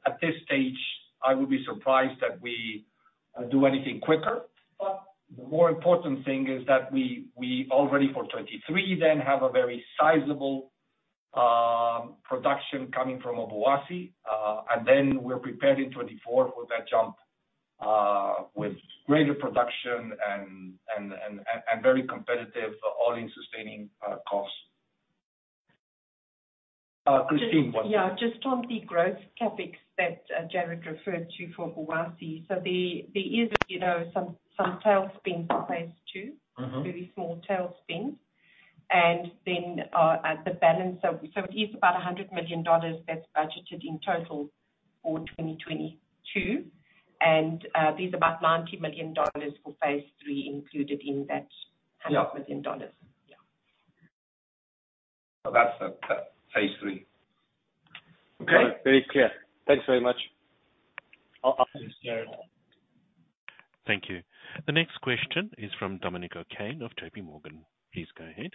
at this stage. I would be surprised that we do anything quicker. The more important thing is that we already for 2023 then have a very sizable production coming from Obuasi. We're prepared in 2024 for that jump with greater production and very competitive all-in sustaining costs. Christine. Yeah. Just on the growth CapEx that Jared referred to for Obuasi. There is, you know, some tailwinds in phase two. Mm-hmm. Very small tail spins. It is about $100 million that's budgeted in total for 2022. There's about $90 million for phase three included in that- Yeah. $100 million. Yeah. That's for phase three. Okay. Very clear. Thanks very much. After Jared. Thank you. The next question is from Dominic O'Kane of JPMorgan. Please go ahead.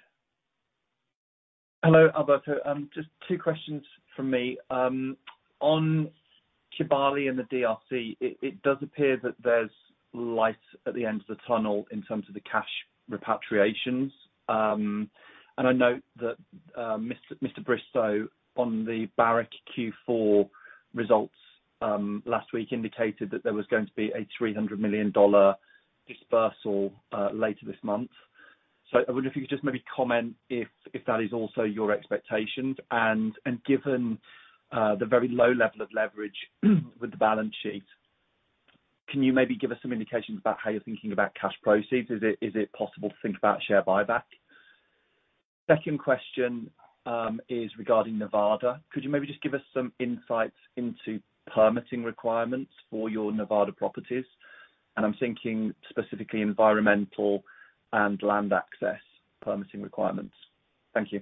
Hello, Alberto. Just two questions from me. On Kibali and the DRC, it does appear that there's light at the end of the tunnel in terms of the cash repatriations. I note that Mr. Bristow, on the Barrick Q4 results last week, indicated that there was going to be a $300 million dispersal later this month. I wonder if you could just maybe comment if that is also your expectations. Given the very low level of leverage with the balance sheet, can you maybe give us some indications about how you're thinking about cash proceeds? Is it possible to think about share buyback? Second question is regarding Nevada. Could you maybe just give us some insights into permitting requirements for your Nevada properties? I'm thinking specifically environmental and land access permitting requirements. Thank you.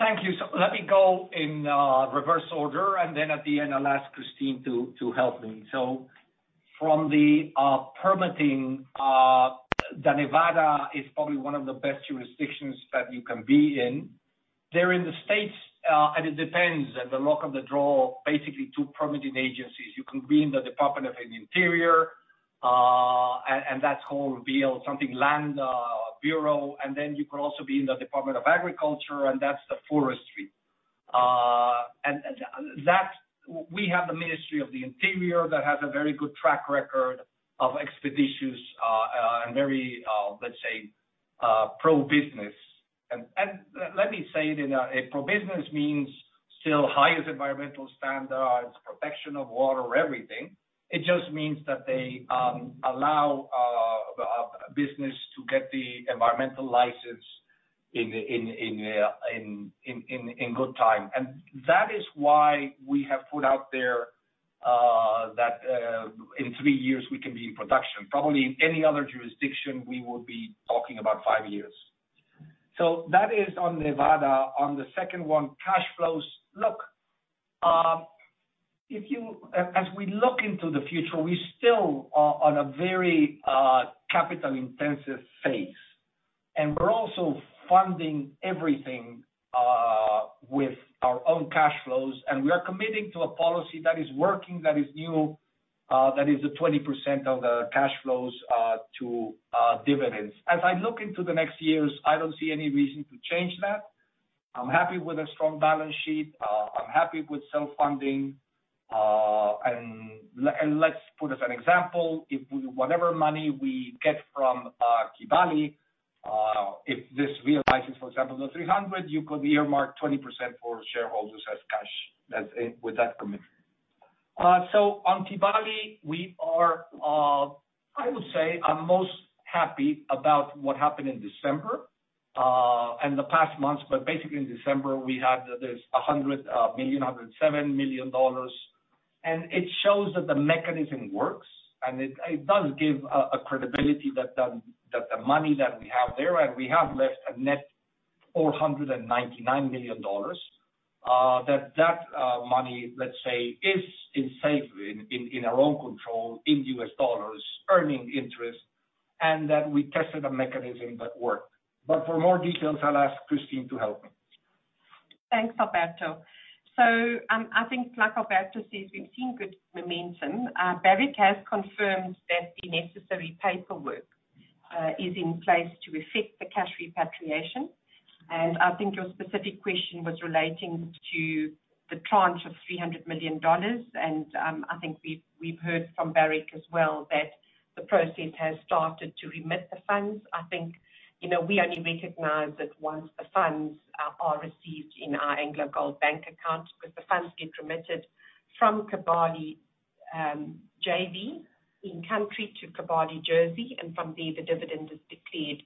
Thank you. Let me go in reverse order, and then at the end, I'll ask Christine to help me. From the permitting, the Nevada is probably one of the best jurisdictions that you can be in. They're in the States, and it depends at the luck of the draw, basically two permitting agencies. You can be in the Department of the Interior, and that's called Bureau of Land Management. And then you can also be in the Department of Agriculture, and that's the forestry. We have the Department of the Interior that has a very good track record of expeditious and very, let's say, pro-business. Let me say it in a pro-business means still highest environmental standards, protection of water, everything. It just means that they allow business to get the environmental license in good time. That is why we have put out there that in three years we can be in production. Probably in any other jurisdiction we would be talking about five years. That is on Nevada. On the second one, cash flows. Look, as we look into the future, we still are on a very capital intensive phase. We're also funding everything with our own cash flows. We are committing to a policy that is working, that is new, that is the 20% of the cash flows to dividends. As I look into the next years, I don't see any reason to change that. I'm happy with a strong balance sheet. I'm happy with self-funding. Let's put as an example, if we whatever money we get from Kibali, if this realizes, for example, the $300 million, you could earmark 20% for shareholders as cash. That's in with that commitment. On Kibali, we are, I would say I'm most happy about what happened in December and the past months. Basically in December, we had this $107 million. It shows that the mechanism works and it does give a credibility that the money that we have there, and we have left a net $499 million, that money, let's say, is in safety in our own control in U.S. dollars earning interest, and that we tested a mechanism that work. For more details, I'll ask Christine to help me. Thanks, Alberto. I think like Alberto says, we've seen good momentum. Barrick has confirmed that the necessary paperwork is in place to effect the cash repatriation. I think your specific question was relating to the tranche of $300 million. I think we've heard from Barrick as well, that the process has started to remit the funds. I think, you know, we only recognize that once the funds are received in our AngloGold bank account, because the funds get remitted from Kibali JV in country to Kibali, Jersey. From there, the dividend is declared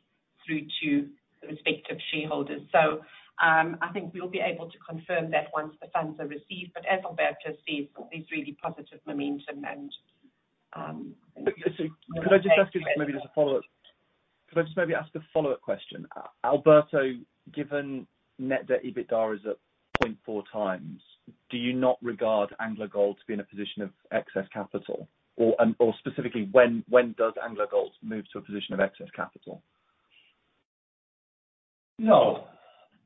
through to the respective shareholders. I think we'll be able to confirm that once the funds are received. As Alberto said, there's really positive momentum. Could I just ask a follow-up question? Alberto, given net debt to EBITDA is at 0.4 times, do you not regard AngloGold Ashanti to be in a position of excess capital? Or specifically, when does AngloGold Ashanti move to a position of excess capital? No.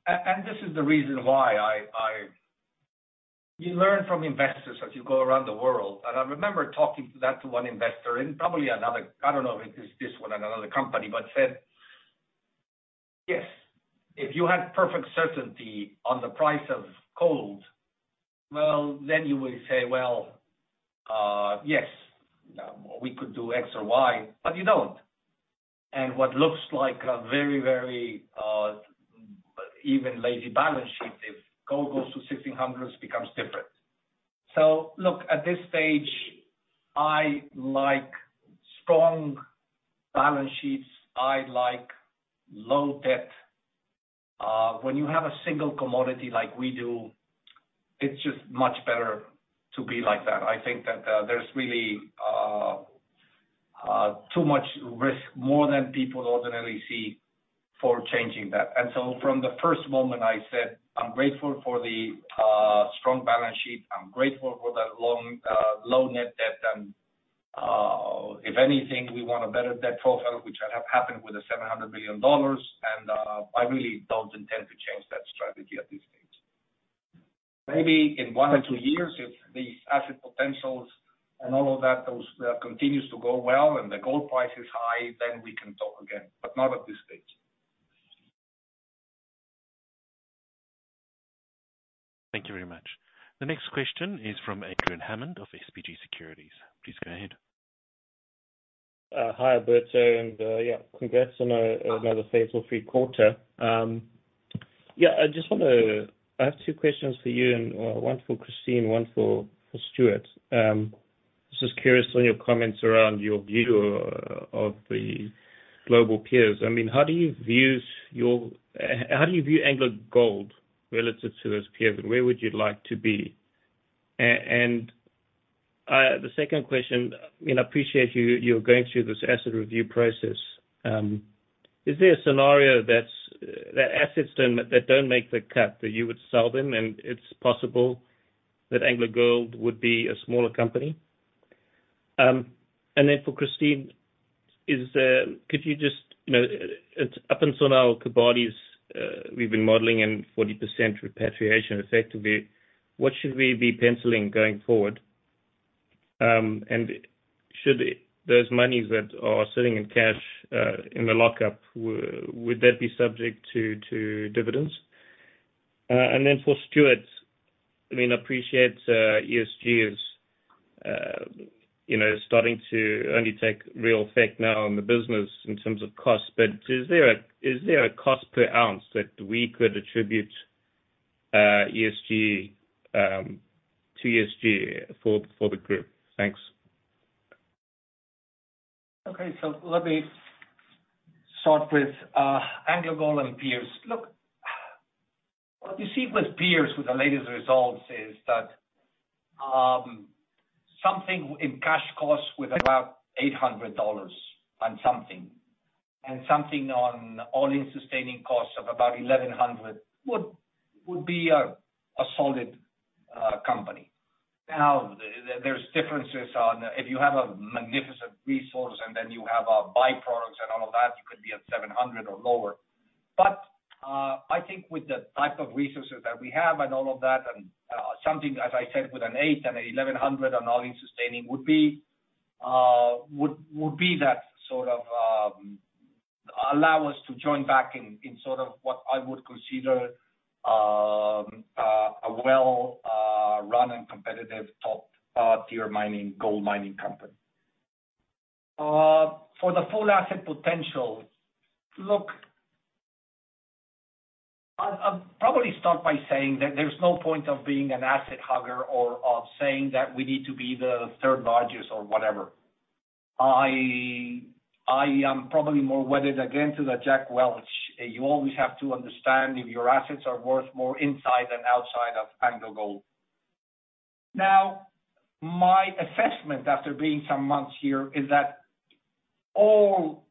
This is the reason why I You learn from investors as you go around the world, and I remember talking to that one investor and probably another, I don't know if it is this one or another company, but said, "Yes, if you had perfect certainty on the price of gold, well, then you will say, well, yes, we could do X or Y, but you don't." What looks like a very even lazy balance sheet, if gold goes to $1,600, becomes different. Look, at this stage, I like strong balance sheets. I like low debt. When you have a single commodity like we do, it's just much better to be like that. I think that there's really too much risk, more than people ordinarily see for changing that. From the first moment I said, I'm grateful for the strong balance sheet. I'm grateful for that long, low net debt. If anything, we want a better debt profile, which had happened with the $700 million. I really don't intend to change that strategy at this stage. Maybe in one or two years, if the asset potentials and all of that continues to go well and the gold price is high, then we can talk again, but not at this stage. Thank you very much. The next question is from Adrian Hammond of SBG Securities. Please go ahead. Hi, Alberto. Yeah, congrats on another successful third quarter. I just wanna. I have two questions for you and one for Christine, one for Stuart. Just curious on your comments around your view of the global peers. I mean, how do you view AngloGold Ashanti relative to those peers, and where would you like to be? The second question, you know, appreciate you're going through this asset review process. Is there a scenario that assets don't make the cut, that you would sell them, and it's possible that AngloGold Ashanti would be a smaller company? For Christine, could you just, you know, up to now Kibali's, we've been modeling and 40% repatriation effectively, what should we be penciling going forward? Should those monies that are sitting in cash in the lockup be subject to dividends? Then for Stuart, I mean, appreciate ESG is you know starting to only take real effect now on the business in terms of cost. But is there a cost per ounce that we could attribute ESG to ESG for the group? Thanks. Okay. Let me start with AngloGold Ashanti and peers. Look, what you see with peers with the latest results is that something in cash costs with about $800 and something on all-in sustaining costs of about $1,100 would be a solid company. Now, there's differences on if you have a magnificent resource and then you have byproducts and all of that, you could be at $700 or lower. I think with the type of resources that we have and all of that, and something, as I said, with an $800 and $1,100 on all-in sustaining would be that sort of allow us to join back in in sort of what I would consider a well run and competitive top tier mining gold mining company. For the full asset potential, look, I'll probably start by saying that there's no point of being an asset hugger or of saying that we need to be the third largest or whatever. I am probably more wedded again to the Jack Welch. You always have to understand if your assets are worth more inside than outside of AngloGold. Now, my assessment after being some months here is that all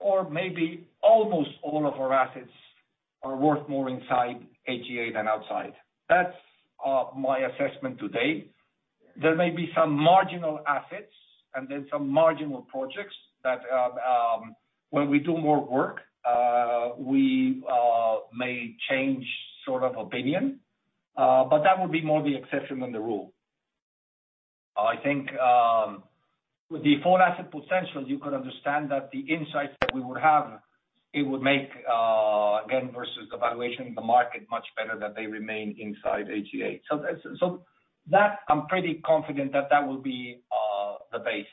or maybe almost all of our assets are worth more inside AGA than outside. That's my assessment today. There may be some marginal assets and then some marginal projects that, when we do more work, we may change sort of opinion. But that would be more the exception than the rule. I think with the full asset potential, you could understand that the insights that we would have. It would make again versus the valuation in the market much better that they remain inside AGA. That's so that I'm pretty confident that will be the base.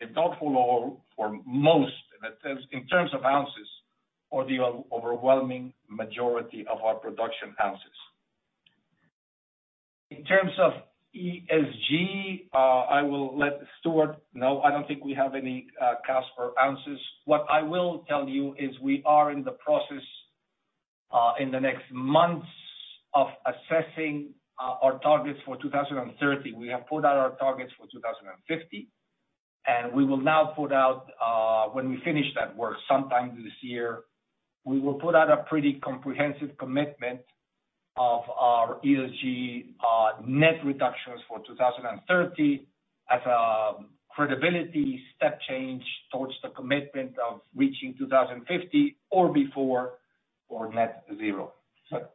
If not full or most in terms of ounces or the overwhelming majority of our production ounces. In terms of ESG, I will let Stewart know. I don't think we have any copper ounces. What I will tell you is we are in the process in the next months of assessing our targets for 2030. We have put out our targets for 2050, and we will now put out, when we finish that work, sometime this year, we will put out a pretty comprehensive commitment of our ESG, net reductions for 2030 as a credibility step change towards the commitment of reaching 2050 or before for net zero. Stuart.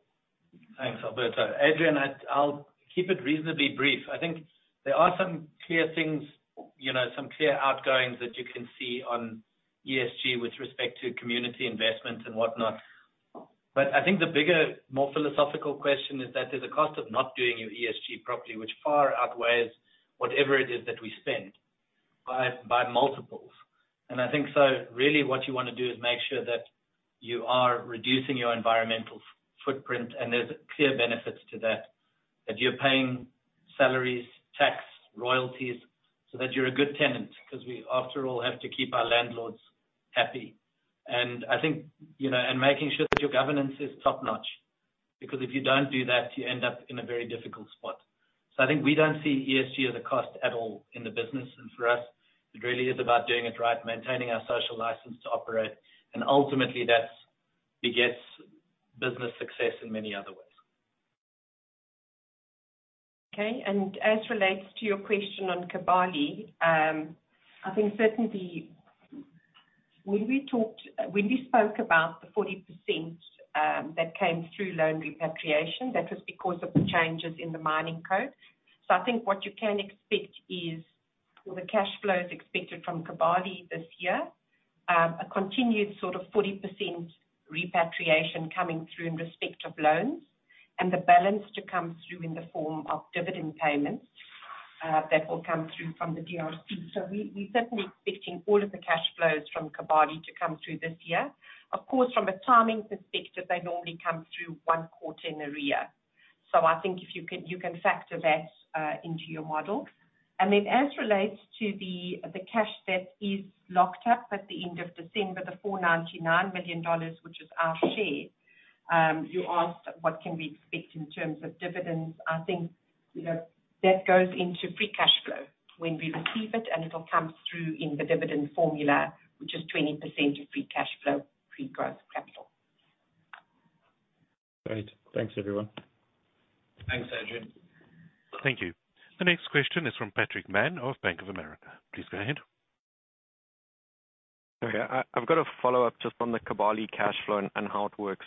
Thanks, Alberto. Adrian, I'll keep it reasonably brief. I think there are some clear things, you know, some clear outgoings that you can see on ESG with respect to community investment and whatnot. I think the bigger, more philosophical question is that there's a cost of not doing your ESG properly, which far outweighs whatever it is that we spend by multiples. I think so really what you wanna do is make sure that you are reducing your environmental footprint, and there's clear benefits to that. That you're paying salaries, tax, royalties, so that you're a good tenant because we after all have to keep our landlords happy. I think, you know, making sure that your governance is top-notch because if you don't do that, you end up in a very difficult spot. I think we don't see ESG as a cost at all in the business. For us, it really is about doing it right, maintaining our social license to operate, and ultimately that begets business success in many other ways. Okay. As relates to your question on Kibali, I think certainly when we spoke about the 40%, that came through loan repatriation, that was because of the changes in the Mining Code. I think what you can expect is the cash flows expected from Kibali this year, a continued sort of 40% repatriation coming through in respect of loans and the balance to come through in the form of dividend payments, that will come through from the DRC. We certainly expecting all of the cash flows from Kibali to come through this year. Of course, from a timing perspective, they normally come through one quarter in arrears. I think you can factor that into your model. As relates to the cash that is locked up at the end of December, the $499 million, which is our share, you asked what can we expect in terms of dividends. I think, you know, that goes into free cash flow when we receive it, and it'll come through in the dividend formula, which is 20% of free cash flow, free growth capital. Great. Thanks, everyone. Thanks, Adrian. Thank you. The next question is from Patrick Mann of Bank of America. Please go ahead. Okay. I've got a follow-up just on the Kibali cash flow and how it works.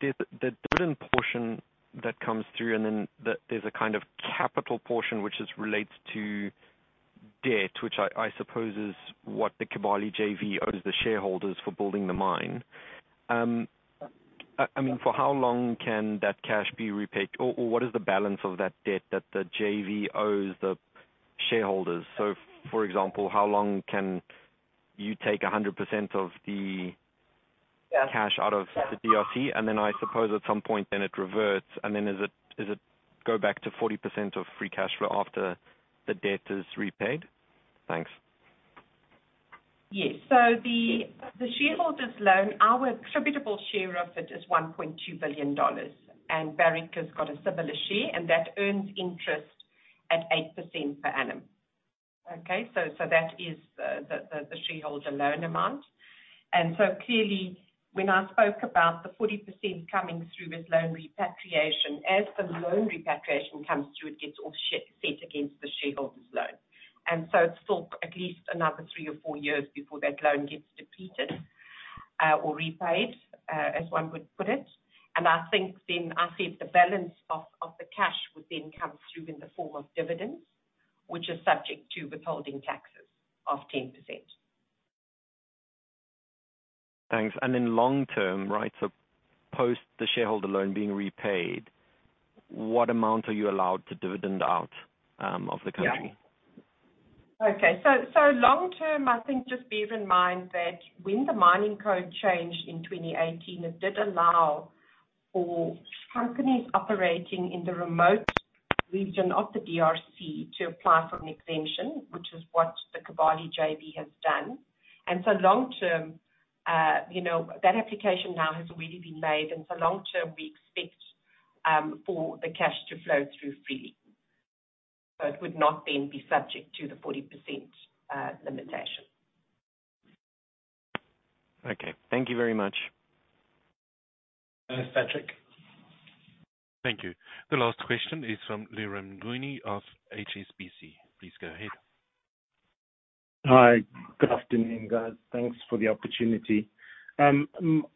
The dividend portion that comes through and then there's a kind of capital portion which relates to debt, which I suppose is what the Kibali JV owes the shareholders for building the mine. I mean, for how long can that cash be repaid? Or what is the balance of that debt that the JV owes the shareholders? For example, how long can you take 100% of the cash out of the DRC? And then I suppose at some point then it reverts, and then is it go back to 40% of free cash flow after the debt is repaid? Thanks. Yes. The shareholders' loan, our attributable share of it is $1.2 billion, and Barrick has got a similar share, and that earns interest at 8% per annum. That is the shareholder loan amount. Clearly, when I spoke about the 40% coming through with loan repatriation, as the loan repatriation comes through, it gets all set against the shareholders' loan. It's still at least another three or four years before that loan gets depleted or repaid, as one would put it. I think then I said the balance of the cash would then come through in the form of dividends, which is subject to withholding taxes of 10%. Thanks. In long term, right, so post the shareholder loan being repaid, what amount are you allowed to dividend out of the country? Long term, I think just bear in mind that when the Mining Code changed in 2018, it did allow for companies operating in the remote region of the DRC to apply for an exemption, which is what the Kibali JV has done. Long term, that application now has already been made, and long term we expect for the cash to flow through freely. It would not then be subject to the 40% limitation. Okay. Thank you very much. Patrick. Thank you. The last question is from Leroy Mnguni of HSBC. Please go ahead. Hi. Good afternoon, guys. Thanks for the opportunity.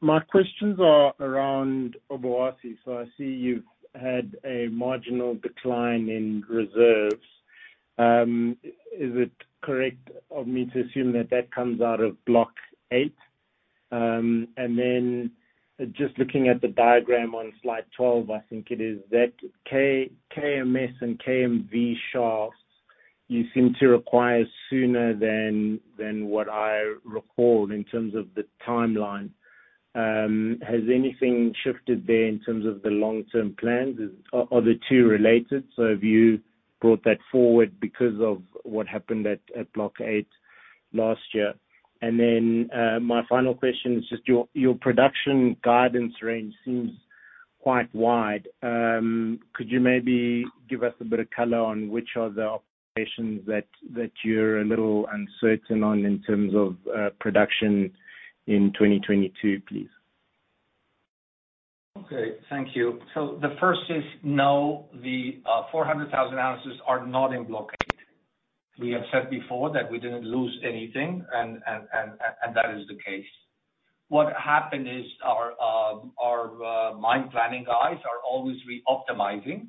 My questions are around Obuasi. I see you've had a marginal decline in reserves. Is it correct of me to assume that that comes out of block 8? And then just looking at the diagram on slide 12, I think it is that KMS shafts you seem to require sooner than what I recall in terms of the timeline. Has anything shifted there in terms of the long-term plans? Are the two related? Have you brought that forward because of what happened at block 8 last year? And then, my final question is just your production guidance range seems quite wide. Could you maybe give us a bit of color on which are the operations that you're a little uncertain on in terms of production in 2022, please? Okay. Thank you. The first is no, the 400,000 ounces are not in block 8. We have said before that we didn't lose anything and that is the case. What happened is our mine planning guys are always re-optimizing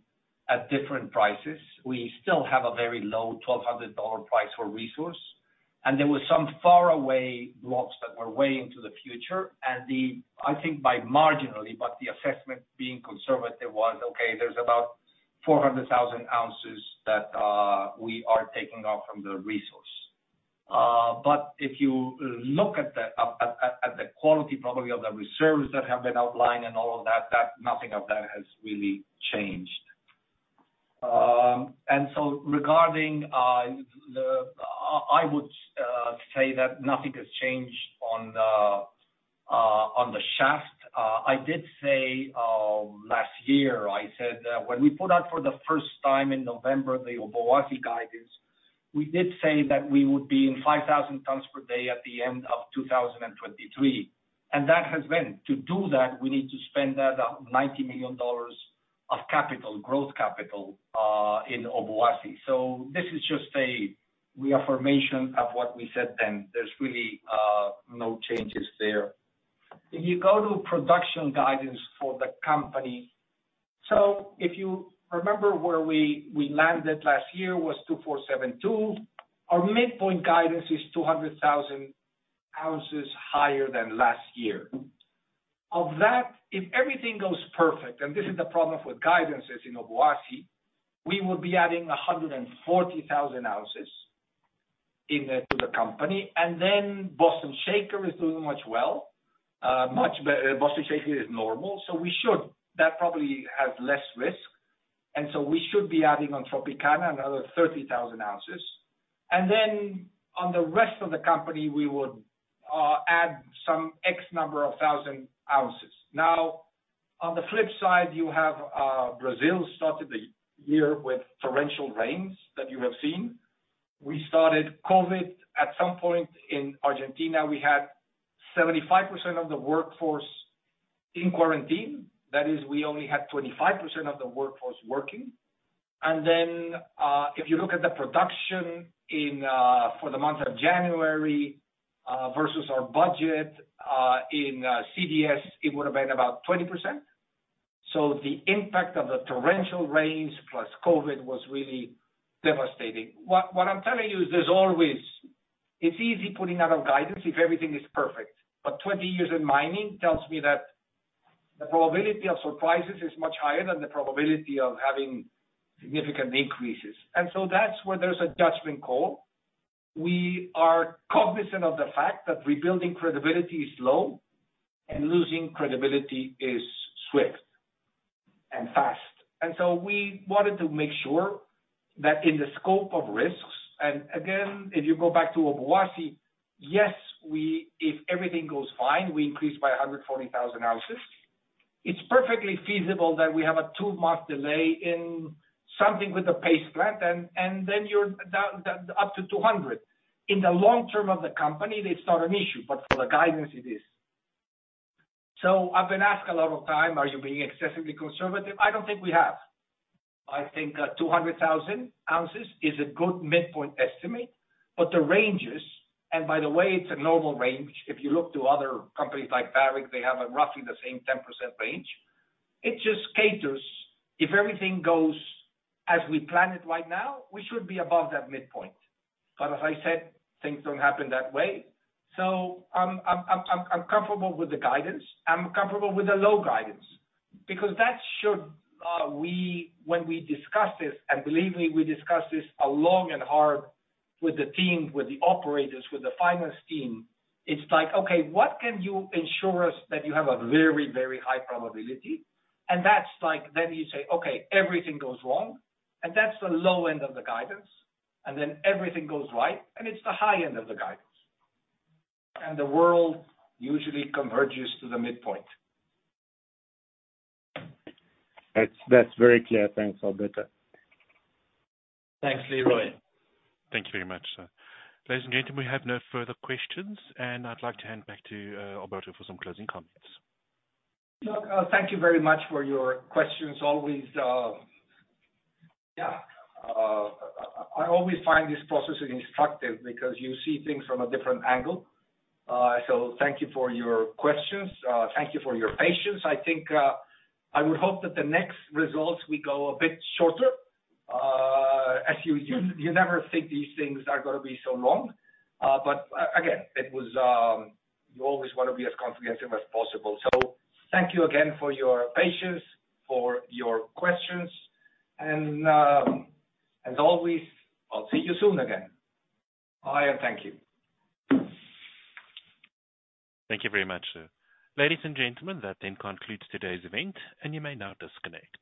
at different prices. We still have a very low $1,200 price for resource, and there were some far away blocks that were way into the future. I think but marginally, but the assessment being conservative was, okay, there's about 400,000 ounces that we are taking off from the resource. But if you look at the quality probably of the reserves that have been outlined and all of that nothing of that has really changed. Regarding the—I would say that nothing has changed on the on the shaft. I did say last year, I said that when we put out for the first time in November the Obuasi guidance, we did say that we would be in 5,000 tons per day at the end of 2023, and that has been. To do that, we need to spend that $90 million of capital, growth capital, in Obuasi. This is just a reaffirmation of what we said then. There's really no changes there. If you go to production guidance for the company. If you remember where we landed last year was 2,472. Our midpoint guidance is 200,000 ounces higher than last year. Of that, if everything goes perfect, and this is the problem with guidance as in Obuasi, we will be adding 140,000 ounces to the company. Boston Shaker is much better. Boston Shaker is normal, so we should. That probably has less risk. We should be adding on Tropicana another 30,000 ounces. On the rest of the company, we would add some X number of thousand ounces. Now, on the flip side, you have Brazil started the year with torrential rains that you have seen. We started with COVID. At some point in Argentina, we had 75% of the workforce in quarantine. That is, we only had 25% of the workforce working. If you look at the production in for the month of January versus our budget in CdS, it would have been about 20%. The impact of the torrential rains plus COVID was really devastating. What I'm telling you is there's always. It's easy putting out a guidance if everything is perfect. Twenty years in mining tells me that the probability of surprises is much higher than the probability of having significant increases. That's where there's a judgment call. We are cognizant of the fact that rebuilding credibility is low and losing credibility is swift and fast. We wanted to make sure that in the scope of risks, and again, if you go back to Obuasi, yes, we, if everything goes fine, we increase by 140,000 ounces. It's perfectly feasible that we have a two-month delay in something with the paste plant and then you're down up to 200. In the long term of the company, it's not an issue, but for the guidance it is. I've been asked a lot of times, are you being excessively conservative? I don't think we have. I think 200,000 ounces is a good midpoint estimate. But the ranges, and by the way, it's a normal range. If you look to other companies like Barrick, they have roughly the same 10% range. It just caters. If everything goes as we planned it right now, we should be above that midpoint. But as I said, things don't happen that way. I'm comfortable with the guidance. I'm comfortable with the low guidance because that should we when we discuss this, and believe me, we discuss this long and hard with the team, with the operators, with the finance team. It's like, okay, what can you ensure us that you have a very, very high probability? That's like then you say, okay, everything goes wrong. That's the low end of the guidance. Everything goes right, and it's the high end of the guidance. The world usually converges to the midpoint. That's very clear. Thanks, Alberto. Thanks, Leroy. Thank you very much, sir. Ladies and gentlemen, we have no further questions, and I'd like to hand back to Alberto for some closing comments. Look, thank you very much for your questions. I always find this process instructive because you see things from a different angle. Thank you for your questions. Thank you for your patience. I think, I would hope that the next results will go a bit shorter. You never think these things are gonna be so long. Again, it was. You always wanna be as comprehensive as possible. Thank you again for your patience, for your questions. As always, I'll see you soon again. Bye, and thank you. Thank you very much. Ladies and gentlemen, that then concludes today's event, and you may now disconnect.